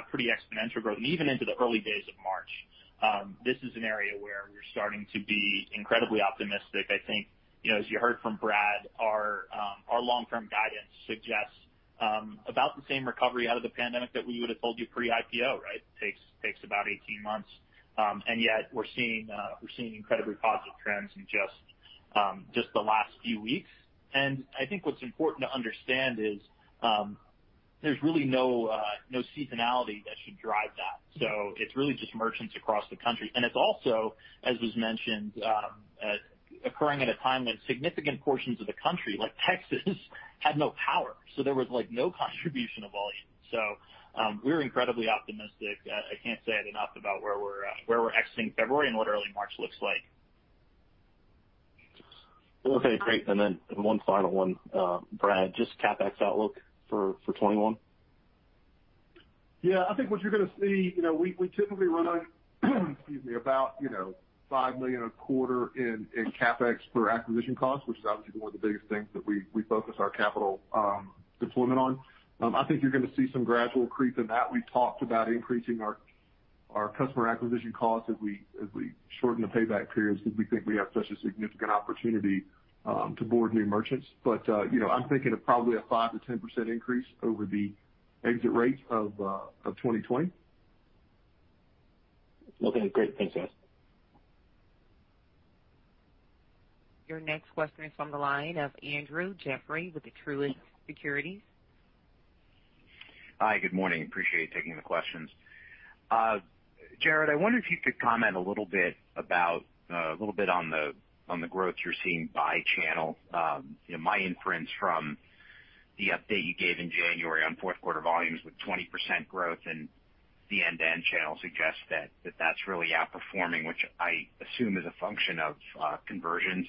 pretty exponential growth and even into the early days of March. This is an area where we're starting to be incredibly optimistic. I think, as you heard from Brad, our long-term guidance suggests about the same recovery out of the pandemic that we would've told you pre-IPO, right? Takes about 18 months. Yet we're seeing incredibly positive trends in just the last few weeks. I think what's important to understand is there's really no seasonality that should drive that. It's really just merchants across the country. It's also, as was mentioned, occurring at a time when significant portions of the country, like Texas, had no power. There was no contribution of volume. We're incredibly optimistic. I can't say it enough about where we're exiting February and what early March looks like. Okay, great. One final one. Brad, just CapEx outlook for 2021. I think what you're going to see, we typically run, excuse me, about $5 million a quarter in CapEx for acquisition costs, which is obviously one of the biggest things that we focus our capital deployment on. I think you're going to see some gradual creep in that. We talked about increasing our customer acquisition costs as we shorten the payback periods because we think we have such a significant opportunity to board new merchants. I'm thinking of probably a 5%-10% increase over the exit rate of 2020. Okay, great. Thanks, guys. Your next question is from the line of Andrew Jeffrey with the Truist Securities. Hi, good morning. Appreciate you taking the questions. Jared, I wonder if you could comment a little bit on the growth you're seeing by channel. My inference from the update you gave in January on fourth quarter volumes with 20% growth and. The end-to-end channel suggests that that's really outperforming, which I assume is a function of conversions.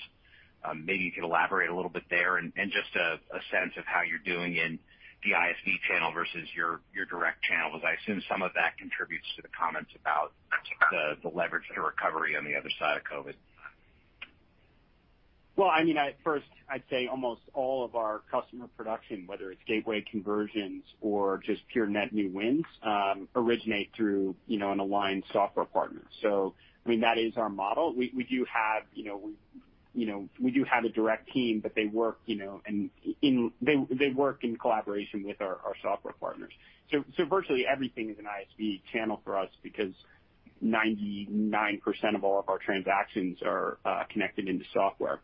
Maybe you could elaborate a little bit there and just a sense of how you're doing in the ISV channel versus your direct channel, because I assume some of that contributes to the comments about the leverage to recovery on the other side of COVID. Well, first, I'd say almost all of our customer production, whether it's gateway conversions or just pure net new wins, originate through an aligned software partner, so that is our model. We do have a direct team, but they work in collaboration with our software partners. Virtually everything is an ISV channel for us because 99% of all of our transactions are connected into software.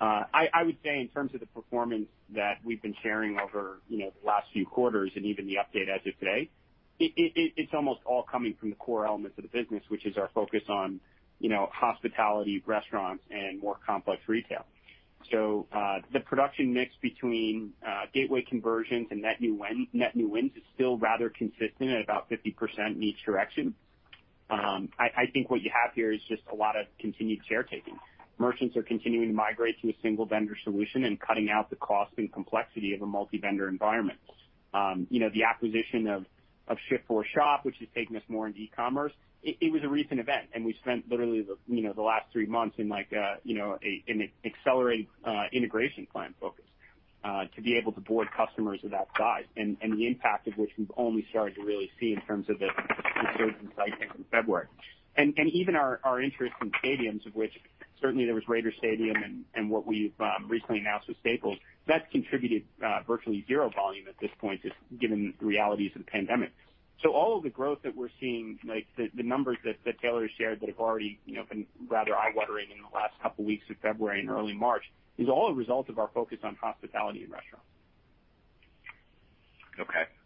I would say in terms of the performance that we've been sharing over the last few quarters and even the update as of today, it's almost all coming from the core elements of the business, which is our focus on hospitality, restaurants, and more complex retail. The production mix between gateway conversions and net new wins is still rather consistent at about 50% in each direction. I think what you have here is just a lot of continued caretaking. Merchants are continuing to migrate to a single-vendor solution and cutting out the cost and complexity of a multi-vendor environment. The acquisition of Shift4Shop, which has taken us more into e-commerce, it was a recent event, and we spent literally the last three months in an accelerated integration plan focus to be able to board customers of that size. The impact of which we've only started to really see in terms of the conversion cycle in February. Even our interest in stadiums, of which certainly there was Raiders Stadium and what we've recently announced with Staples, that contributed virtually zero volume at this point, just given the realities of the pandemic. All of the growth that we're seeing, like the numbers that Taylor shared that have already been rather eye-watering in the last couple of weeks of February and early March, is all a result of our focus on hospitality and restaurants.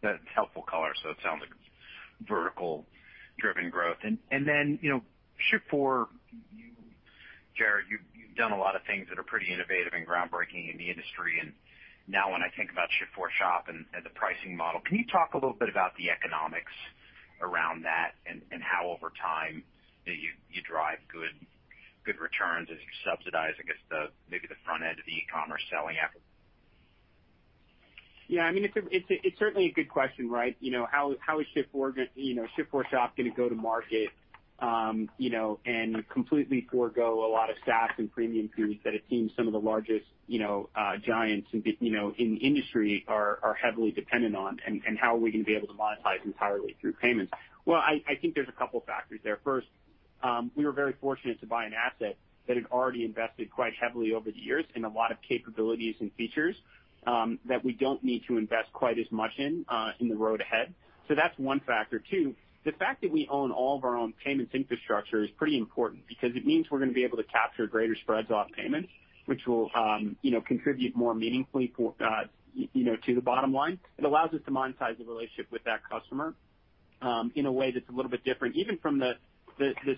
That's helpful color, it sounds like vertical driven growth. Shift4, Jared, you've done a lot of things that are pretty innovative and groundbreaking in the industry, and now when I think about Shift4Shop and the pricing model, can you talk a little bit about the economics around that and how over time you drive good returns as you're subsidizing, I guess, maybe the front end of the e-commerce selling effort? Yeah. It's certainly a good question, right? How is Shift4Shop going to go to market and completely forego a lot of SaaS and premium fees that it seems some of the largest giants in the industry are heavily dependent on? How are we going to be able to monetize entirely through payments? Well, I think there's a couple of factors there. First, we were very fortunate to buy an asset that had already invested quite heavily over the years in a lot of capabilities and features that we don't need to invest quite as much in in the road ahead. That's one factor. Two, the fact that we own all of our own payments infrastructure is pretty important because it means we're going to be able to capture greater spreads off payments, which will contribute more meaningfully to the bottom line. It allows us to monetize the relationship with that customer in a way that's a little bit different, even from the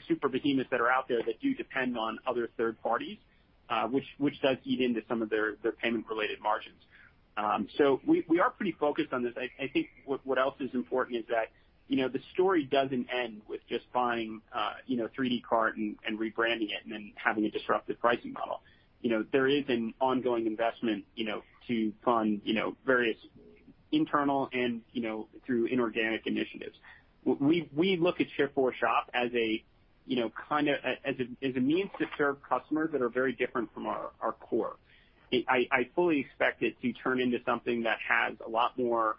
super behemoths that are out there that do depend on other third parties, which does eat into some of their payment-related margins. We are pretty focused on this. I think what else is important is that the story doesn't end with just buying 3dcart and rebranding it and then having a disruptive pricing model. There is an ongoing investment to fund various internal and through inorganic initiatives. We look at Shift4Shop as a means to serve customers that are very different from our core. I fully expect it to turn into something that has a lot more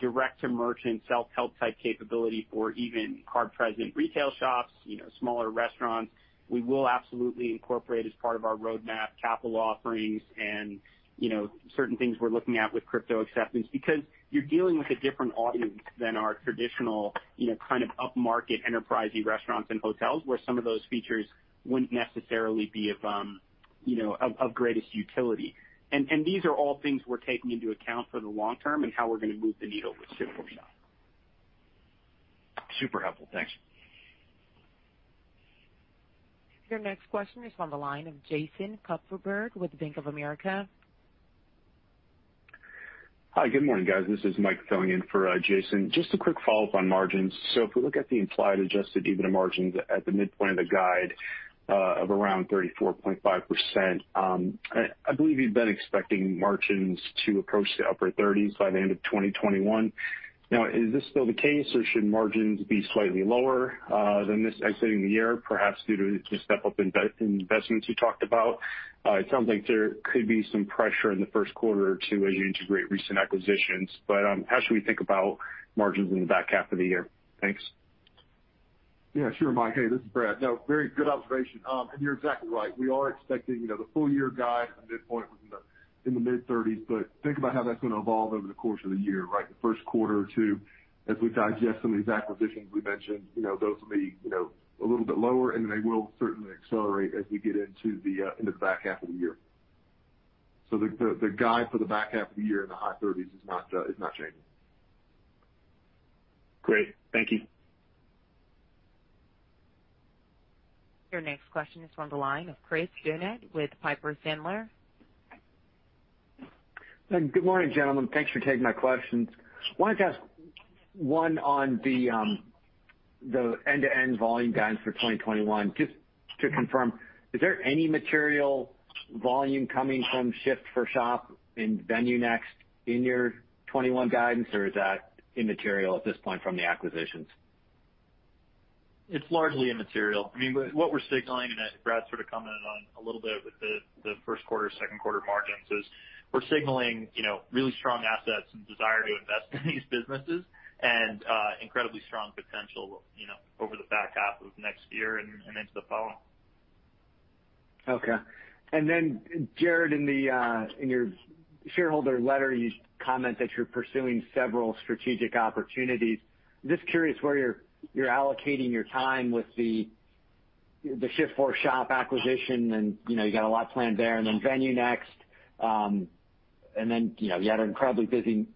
direct-to-merchant, self-help type capability for even card-present retail shops, smaller restaurants. We will absolutely incorporate as part of our roadmap capital offerings and certain things we're looking at with crypto acceptance because you're dealing with a different audience than our traditional upmarket, enterprising restaurants and hotels, where some of those features wouldn't necessarily be of greatest utility. These are all things we're taking into account for the long term and how we're going to move the needle with Shift4Shop. Super helpful. Thanks. Your next question is on the line of Jason Kupferberg with Bank of America. Hi. Good morning, guys. This is Mike filling in for Jason. Just a quick follow-up on margins. If we look at the implied adjusted EBITDA margins at the midpoint of the guide of around 34.5%, I believe you've been expecting margins to approach the upper 30s by the end of 2021. Is this still the case or should margins be slightly lower than this exiting the year, perhaps due to step up investments you talked about? It sounds like there could be some pressure in the first quarter or two as you integrate recent acquisitions. How should we think about margins in the back half of the year? Thanks. Yeah, sure, Mike. Hey, this is Brad. No, very good observation. You're exactly right. We are expecting the full-year guide at the midpoint within the mid-30s. Think about how that's going to evolve over the course of the year, right? The first quarter or two, as we digest some of these acquisitions we mentioned, those will be a little bit lower, and then they will certainly accelerate as we get into the back half of the year. The guide for the back half of the year in the high 30s is not changing. Great, thank you. Your next question is from the line of Chris Donat with Piper Sandler. Good morning, gentlemen, thanks for taking my questions. Wanted to ask one on the end-to-end volume guidance for 2021. Just to confirm, is there any material volume coming from Shift4Shop and VenueNext in your 2021 guidance, or is that immaterial at this point from the acquisitions? It's largely immaterial. What we're signaling, and that Brad commented on a little bit with the first quarter, second quarter margins, is we're signaling really strong assets and desire to invest in these businesses and incredibly strong potential over the back half of next year and into the following. Okay. Jared, in your shareholder letter, you comment that you're pursuing several strategic opportunities. Just curious where you're allocating your time with the Shift4Shop acquisition, and you got a lot planned there, and then VenueNext, and then you had an incredibly busy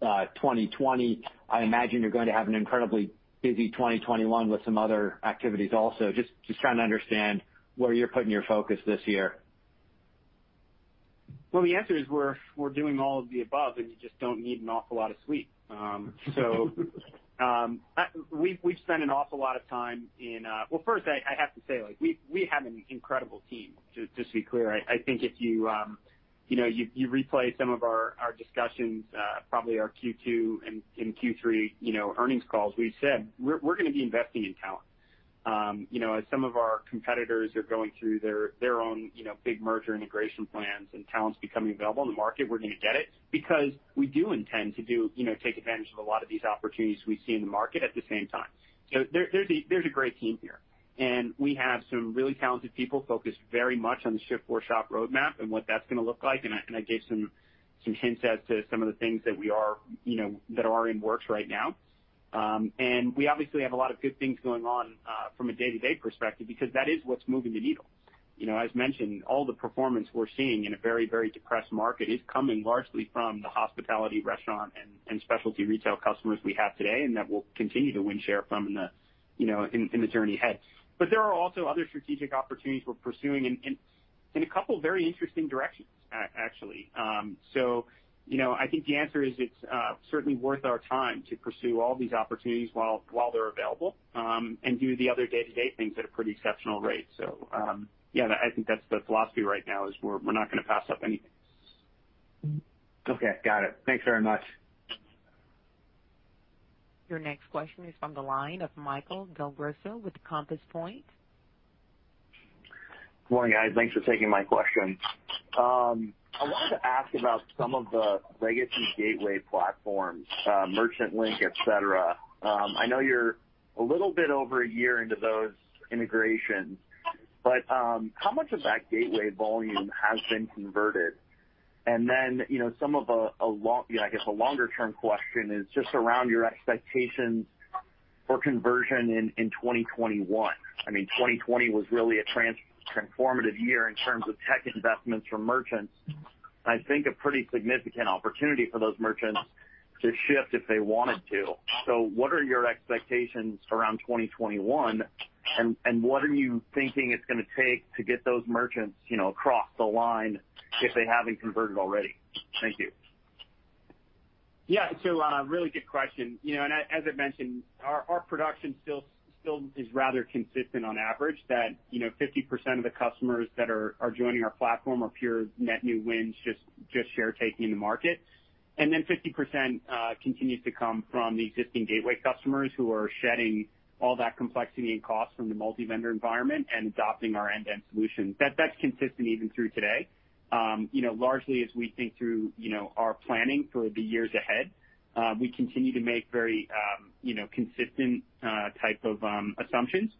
2020. I imagine you're going to have an incredibly busy 2021 with some other activities also. Just trying to understand where you're putting your focus this year. Well, the answer is we're doing all of the above, and you just don't need an awful lot of sleep. We've spent an awful lot of time. Well, first, I have to say, we have an incredible team, just to be clear. I think if you replay some of our discussions, probably our Q2 and Q3 earnings calls, we've said we're going to be investing in talent. Some of our competitors are going through their own big merger integration plans and talent's becoming available in the market, we're going to get it because we do intend to take advantage of a lot of these opportunities we see in the market at the same time. There's a great team here, and we have some really talented people focused very much on the Shift4Shop roadmap and what that's going to look like, and I gave some hints as to some of the things that are in the works right now. We obviously have a lot of good things going on from a day-to-day perspective because that is what's moving the needle. As mentioned, all the performance we're seeing in a very, very depressed market is coming largely from the hospitality, restaurant, and specialty retail customers we have today and that we'll continue to win share from in the journey ahead. There are also other strategic opportunities we're pursuing in a couple of very interesting directions, actually. I think the answer is it's certainly worth our time to pursue all these opportunities while they're available and do the other day-to-day things at a pretty exceptional rate. I think that's the philosophy right now is we're not going to pass up anything. Okay, got it. Thanks very much. Your next question is from the line of Michael Del Grosso with Compass Point. Good morning, guys, thanks for taking my question. I wanted to ask about some of the legacy gateway platforms, Merchant Link, et cetera. I know you're a little bit over a year into those integrations, but how much of that gateway volume has been converted? And then some of, I guess, the longer-term question is just around your expectations for conversion in 2021. 2020 was really a transformative year in terms of tech investments for merchants, and I think a pretty significant opportunity for those merchants to shift if they wanted to. So what are your expectations around 2021, and what are you thinking it's going to take to get those merchants across the line if they haven't converted already? Thank you. Yeah. Really good question. As I mentioned, our production still is rather consistent on average, that 50% of the customers that are joining our platform are pure net new wins, just share taking in the market. Then 50% continues to come from the existing gateway customers who are shedding all that complexity and cost from the multi-vendor environment and adopting our end-to-end solution. That's consistent even through today. Largely as we think through our planning for the years ahead, we continue to make very consistent type of assumptions.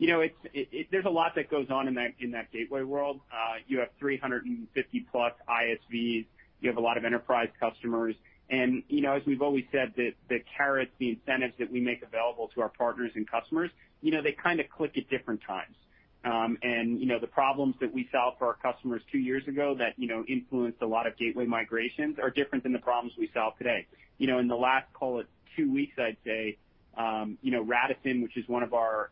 There's a lot that goes on in that gateway world. You have 350-plus ISVs, you have a lot of enterprise customers, as we've always said, the carrots, the incentives that we make available to our partners and customers, they click at different times. The problems that we solved for our customers two years ago that influenced a lot of gateway migrations are different than the problems we solve today. In the last, call it two weeks, I'd say, Radisson, which is one of our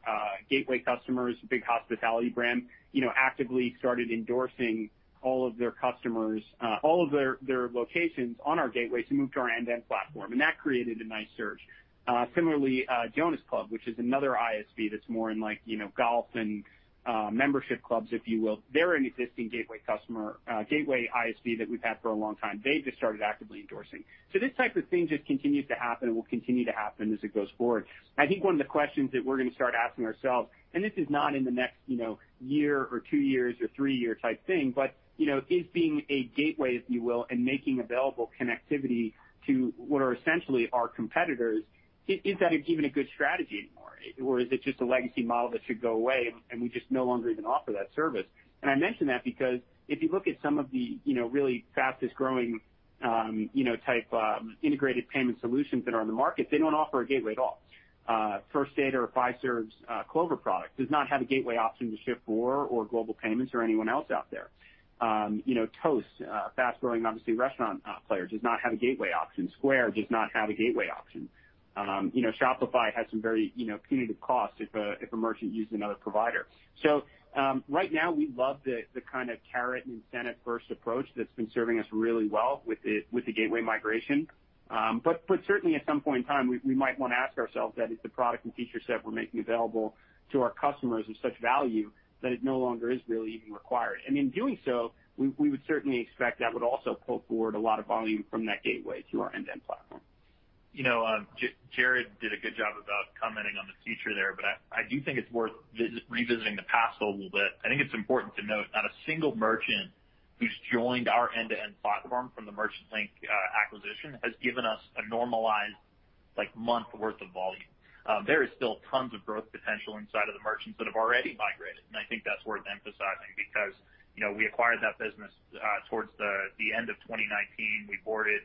gateway customers, big hospitality brand, actively started endorsing all of their locations on our gateway to move to our end-to-end platform, and that created a nice surge. Similarly, Jonas Club, which is another ISV that's more in golf and membership clubs, if you will, they're an existing gateway ISV that we've had for a long time. They just started actively endorsing. This type of thing just continues to happen and will continue to happen as it goes forward. I think one of the questions that we're going to start asking ourselves, and this is not in the next year or 2 years or 3-year type thing, but is being a gateway, if you will, and making available connectivity to what are essentially our competitors, is that even a good strategy anymore? Is it just a legacy model that should go away and we just no longer even offer that service? I mention that because if you look at some of the really fastest-growing type integrated payment solutions that are on the market, they don't offer a gateway at all. First Data or Fiserv's Clover product does not have a gateway option to Shift4 or Global Payments or anyone else out there. Toast, a fast-growing, obviously restaurant player, does not have a gateway option. Square does not have a gateway option. Shopify has some very punitive costs if a merchant uses another provider. Right now, we love the kind of carrot incentive-first approach that's been serving us really well with the gateway migration. Certainly at some point in time, we might want to ask ourselves that is the product and feature set we're making available to our customers of such value that it no longer is really even required. In doing so, we would certainly expect that would also pull forward a lot of volume from that gateway to our end-to-end platform. Jared did a good job about commenting on the future there, but I do think it's worth revisiting the past a little bit. I think it's important to note not a single merchant who's joined our end-to-end platform from the Merchant Link acquisition has given us a normalized month worth of volume. There is still tons of growth potential inside of the merchants that have already migrated, and I think that's worth emphasizing because we acquired that business towards the end of 2019. We boarded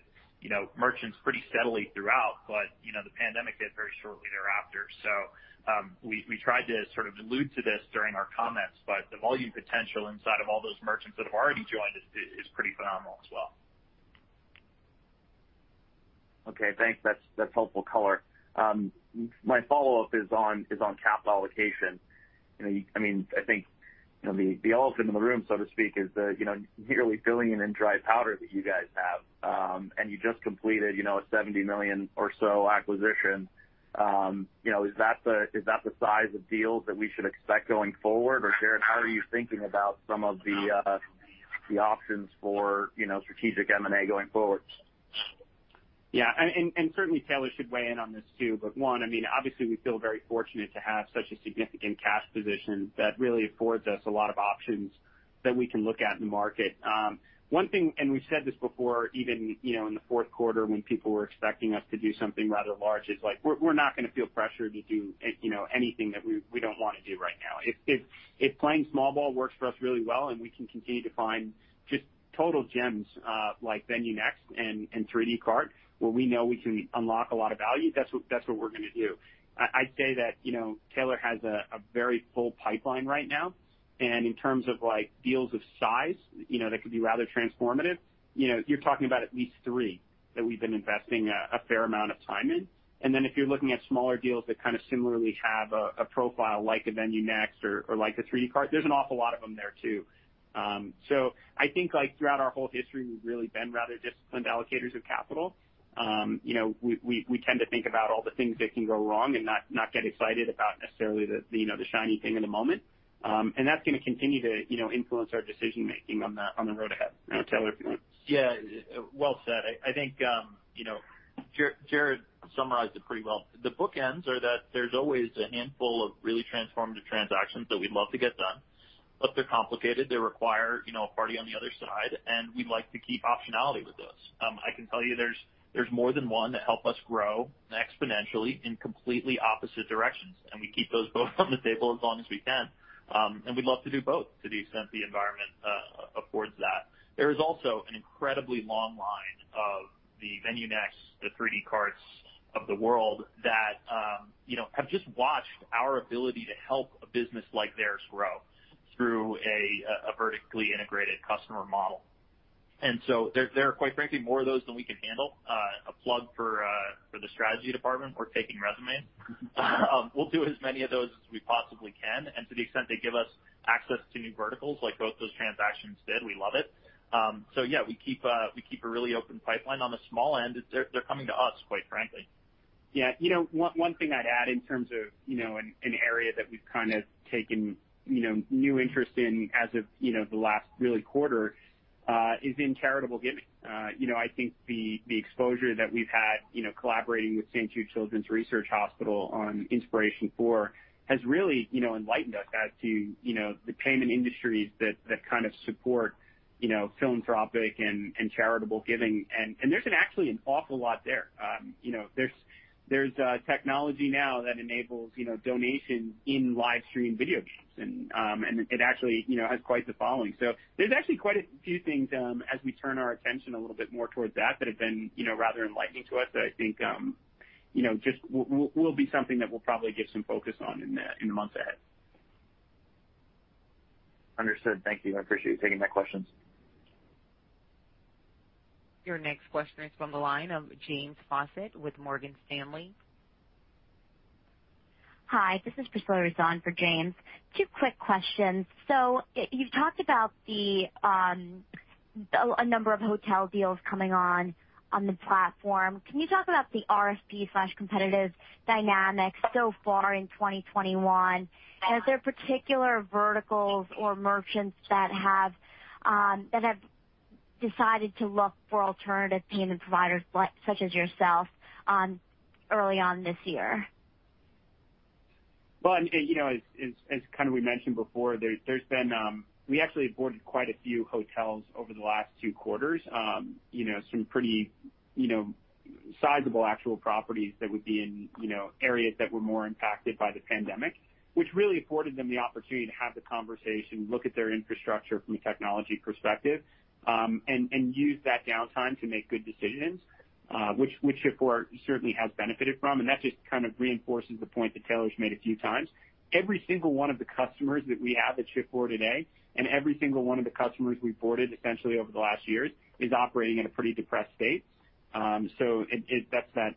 merchants pretty steadily throughout, but the pandemic hit very shortly thereafter. We tried to sort of allude to this during our comments, but the volume potential inside of all those merchants that have already joined is pretty phenomenal as well. Okay, thanks. That's helpful color. My follow-up is on capital allocation. I think the elephant in the room, so to speak, is the nearly billion in dry powder that you guys have, and you just completed a $70 million or so acquisition. Is that the size of deals that we should expect going forward? Jared, how are you thinking about some of the options for strategic M&A going forward? Yeah. Certainly Taylor should weigh in on this too. One, obviously we feel very fortunate to have such a significant cash position that really affords us a lot of options that we can look at in the market. One thing, we've said this before, even in the fourth quarter when people were expecting us to do something rather large, is we're not going to feel pressured to do anything that we don't want to do right now. If playing small ball works for us really well and we can continue to find just total gems like VenueNext and 3dcart where we know we can unlock a lot of value, that's what we're going to do. I'd say that Taylor has a very full pipeline right now. In terms of deals of size that could be rather transformative, you're talking about at least three that we've been investing a fair amount of time in. Then if you're looking at smaller deals that kind of similarly have a profile like a VenueNext or like a 3dcart, there's an awful lot of them there, too. I think throughout our whole history, we've really been rather disciplined allocators of capital. We tend to think about all the things that can go wrong and not get excited about necessarily the shiny thing in the moment. That's going to continue to influence our decision-making on the road ahead. Taylor, if you want. Yeah, well said. I think Jared summarized it pretty well. The bookends are that there's always a handful of really transformative transactions that we'd love to get done, but they're complicated. They require a party on the other side, and we'd like to keep optionality with those. I can tell you there's more than one that help us grow exponentially in completely opposite directions, and we keep those both on the table as long as we can. We'd love to do both, to the extent the environment affords that. There is also an incredibly long line of the VenueNext, the 3dcarts of the world that have just watched our ability to help a business like theirs grow through a vertically integrated customer model. There are, quite frankly, more of those than we can handle. A plug for the strategy department. We're taking resumes. We'll do as many of those as we possibly can, and to the extent they give us access to new verticals like both those transactions did, we love it. Yeah, we keep a really open pipeline on the small end. They're coming to us, quite frankly. Yeah. One thing I'd add in terms of an area that we've kind of taken new interest in as of the last really quarter is in charitable giving. I think the exposure that we've had collaborating with St. Jude Children's Research Hospital on Inspiration4 has really enlightened us as to the payment industries that kind of support philanthropic and charitable giving. There's actually an awful lot there. There's technology now that enables donations in live stream video games, and it actually has quite the following. There's actually quite a few things as we turn our attention a little bit more towards that have been rather enlightening to us that I think just will be something that we'll probably get some focus on in the months ahead. Understood, thank you. I appreciate you taking my questions. Your next question is from the line of James Faucette with Morgan Stanley. Hi, this is Priscilla Rizon for James. Two quick questions. You've talked about a number of hotel deals coming on the platform. Can you talk about the RFP/competitive dynamics so far in 2021? Are there particular verticals or merchants that have decided to look for alternative payment providers such as yourself early on this year? Well, as kind of we mentioned before, we actually boarded quite a few hotels over the last two quarters. Some pretty sizable actual properties that would be in areas that were more impacted by the pandemic, which really afforded them the opportunity to have the conversation, look at their infrastructure from a technology perspective, and use that downtime to make good decisions, which Shift4 certainly has benefited from. That just kind of reinforces the point that Taylor's made a few times. Every single one of the customers that we have at Shift4 today, and every single one of the customers we've boarded essentially over the last years, is operating in a pretty depressed state. That's that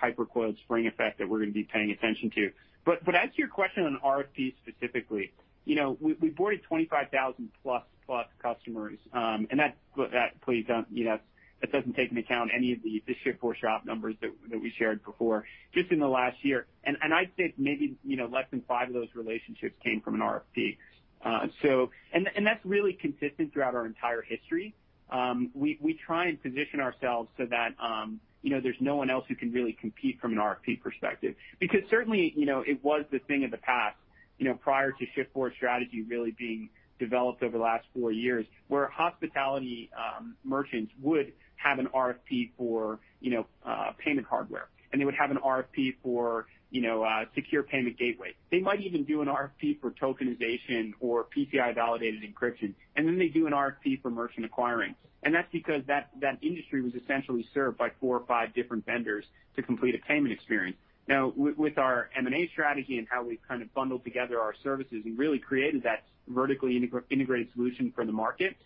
hyper coiled spring effect that we're going to be paying attention to. To answer your question on RFP specifically, we boarded 25,000+ customers. Please, that doesn't take into account any of the Shift4Shop numbers that we shared before, just in the last year. I'd say maybe less than five of those relationships came from an RFP. That's really consistent throughout our entire history. We try and position ourselves so that there's no one else who can really compete from an RFP perspective. Certainly, it was the thing of the past. Prior to Shift4's strategy really being developed over the last four years, where hospitality merchants would have an RFP for payment hardware, and they would have an RFP for secure payment gateway. They might even do an RFP for tokenization or PCI-validated encryption, they do an RFP for merchant acquiring. That's because that industry was essentially served by four or five different vendors to complete a payment experience. Now, with our M&A strategy and how we've kind of bundled together our services and really created that vertically integrated solution for the market,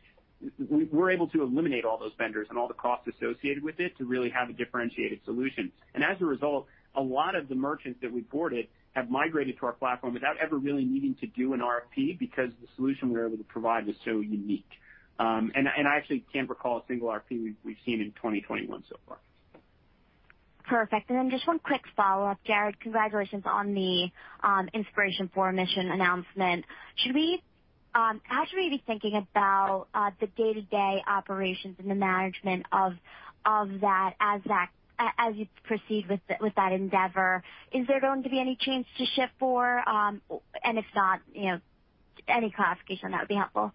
we're able to eliminate all those vendors and all the costs associated with it to really have a differentiated solution. As a result, a lot of the merchants that we boarded have migrated to our platform without ever really needing to do an RFP because the solution we're able to provide was so unique. I actually can't recall a single RFP we've seen in 2021 so far. Perfect. Just one quick follow-up. Jared, congratulations on the Inspiration4 mission announcement. How should we be thinking about the day-to-day operations and the management of that as you proceed with that endeavor? Is there going to be any change to Shift4 Payments? If not, any clarification on that would be helpful.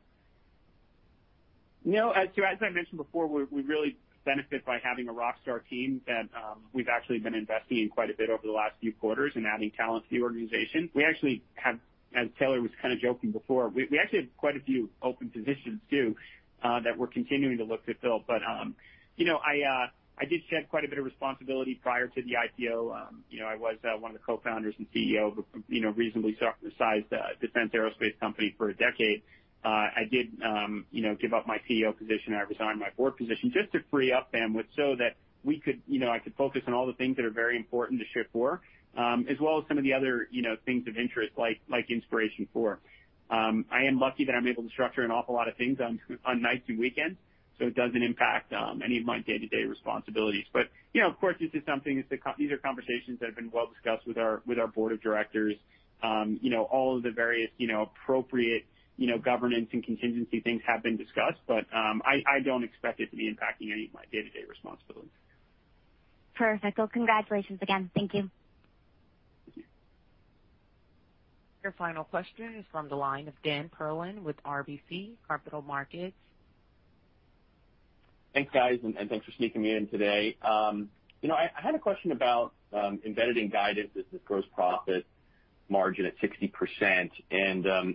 No. As I mentioned before, we really benefit by having a rockstar team that we've actually been investing in quite a bit over the last few quarters and adding talent to the organization. We actually have, as Taylor was kind of joking before, we actually have quite a few open positions too that we're continuing to look to fill. I did shed quite a bit of responsibility prior to the IPO. I was one of the co-founders and CEO of a reasonably sized defense aerospace company for a decade. I did give up my CEO position, and I resigned my board position just to free up bandwidth so that I could focus on all the things that are very important to Shift4, as well as some of the other things of interest, like Inspiration4. I am lucky that I'm able to structure an awful lot of things on nights and weekends, so it doesn't impact any of my day-to-day responsibilities. Of course, these are conversations that have been well discussed with our board of directors. All of the various appropriate governance and contingency things have been discussed, but I don't expect it to be impacting any of my day-to-day responsibilities. Perfect. Well, congratulations again. Thank you. Thank you. Your final question is from the line of Dan Perlin with RBC Capital Markets. Thanks, guys, and thanks for sneaking me in today. I had a question about embedded in guidance is this gross profit margin at 60%.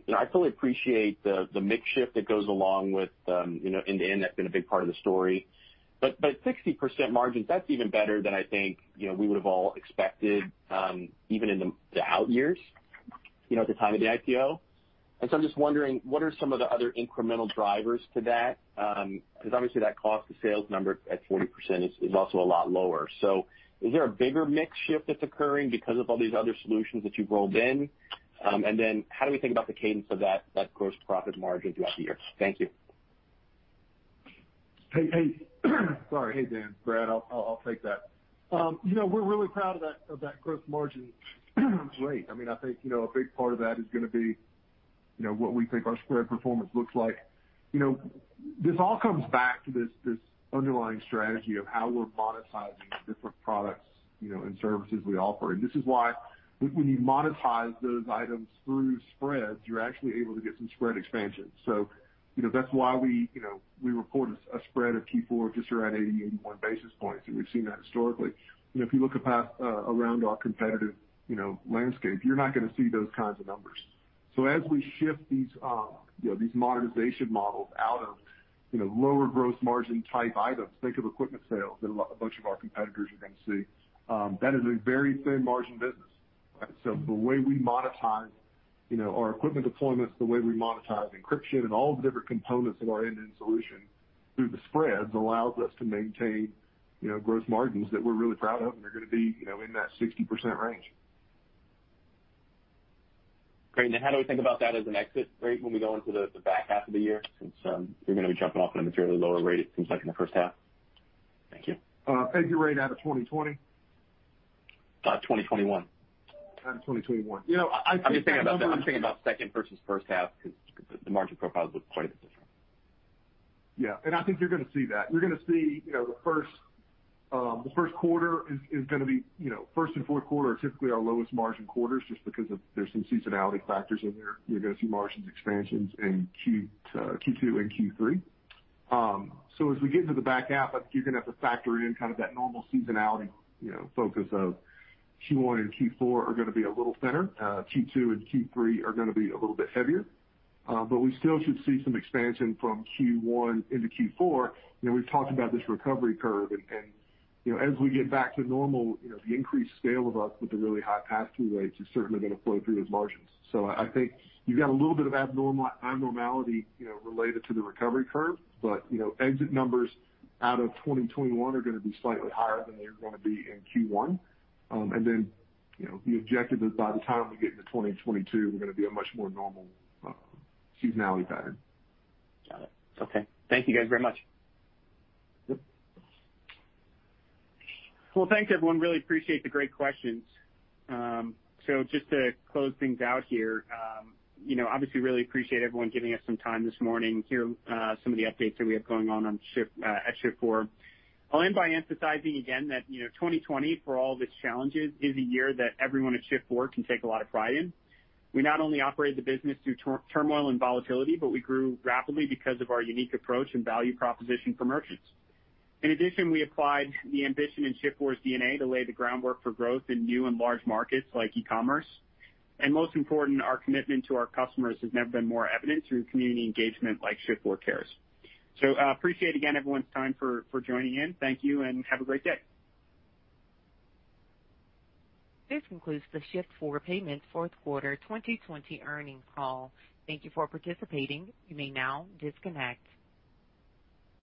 I fully appreciate the mix shift that goes along with end-to-end. That's been a big part of the story. 60% margins, that's even better than I think we would have all expected even in the out years at the time of the IPO. I'm just wondering, what are some of the other incremental drivers to that? Obviously that cost to sales number at 40% is also a lot lower. Is there a bigger mix shift that's occurring because of all these other solutions that you've rolled in? How do we think about the cadence of that gross profit margin throughout the year? Thank you. Hey, sorry. Hey, Dan. Brad, I'll take that. We're really proud of that gross margin rate. I think a big part of that is going to be what we think our spread performance looks like. This all comes back to this underlying strategy of how we're monetizing the different products and services we offer. This is why when you monetize those items through spreads, you're actually able to get some spread expansion. That's why we report a spread of Q4 just around 80, 81 basis points, and we've seen that historically. If you look around our competitive landscape, you're not going to see those kinds of numbers. As we shift these monetization models out of lower gross margin-type items, think of equipment sales that a bunch of our competitors are going to see. That is a very thin margin business. The way we monetize our equipment deployments, the way we monetize encryption and all the different components of our end-to-end solution through the spreads allows us to maintain gross margins that we're really proud of and are going to be in that 60% range. Great. Then how do we think about that as an exit rate when we go into the back half of the year since you're going to be jumping off on a materially lower rate it seems like in the first half? Thank you. Exit rate out of 2020? 2021. Out of 2021. I'm just thinking about second versus first half because the margin profiles look quite a bit different. I think you're going to see that. You're going to see first and fourth quarter are typically our lowest margin quarters just because there's some seasonality factors in there. You're going to see margins expansions in Q2 and Q3. As we get into the back half, I think you're going to have to factor in kind of that normal seasonality focus of Q1 and Q4 are going to be a little thinner. Q2 and Q3 are going to be a little bit heavier. We still should see some expansion from Q1 into Q4. We've talked about this recovery curve, and as we get back to normal, the increased scale of us with the really high pass-through rates is certainly going to flow through those margins. I think you've got a little bit of abnormality related to the recovery curve. Exit numbers out of 2021 are going to be slightly higher than they're going to be in Q1. The objective is by the time we get into 2022, we're going to be a much more normal seasonality pattern. Got it, okay. Thank you guys very much. Yep. Well, thanks everyone, really appreciate the great questions. Just to close things out here. Obviously really appreciate everyone giving us some time this morning to hear some of the updates that we have going on at Shift4. I'll end by emphasizing again that 2020, for all of its challenges, is a year that everyone at Shift4 can take a lot of pride in. We not only operated the business through turmoil and volatility, but we grew rapidly because of our unique approach and value proposition for merchants. In addition, we applied the ambition in Shift4's DNA to lay the groundwork for growth in new and large markets like e-commerce. Most important, our commitment to our customers has never been more evident through community engagement like Shift4Cares. Appreciate again everyone's time for joining in. Thank you, and have a great day. This concludes the Shift4 Payments fourth quarter 2020 earnings call. Thank you for participating. You may now disconnect.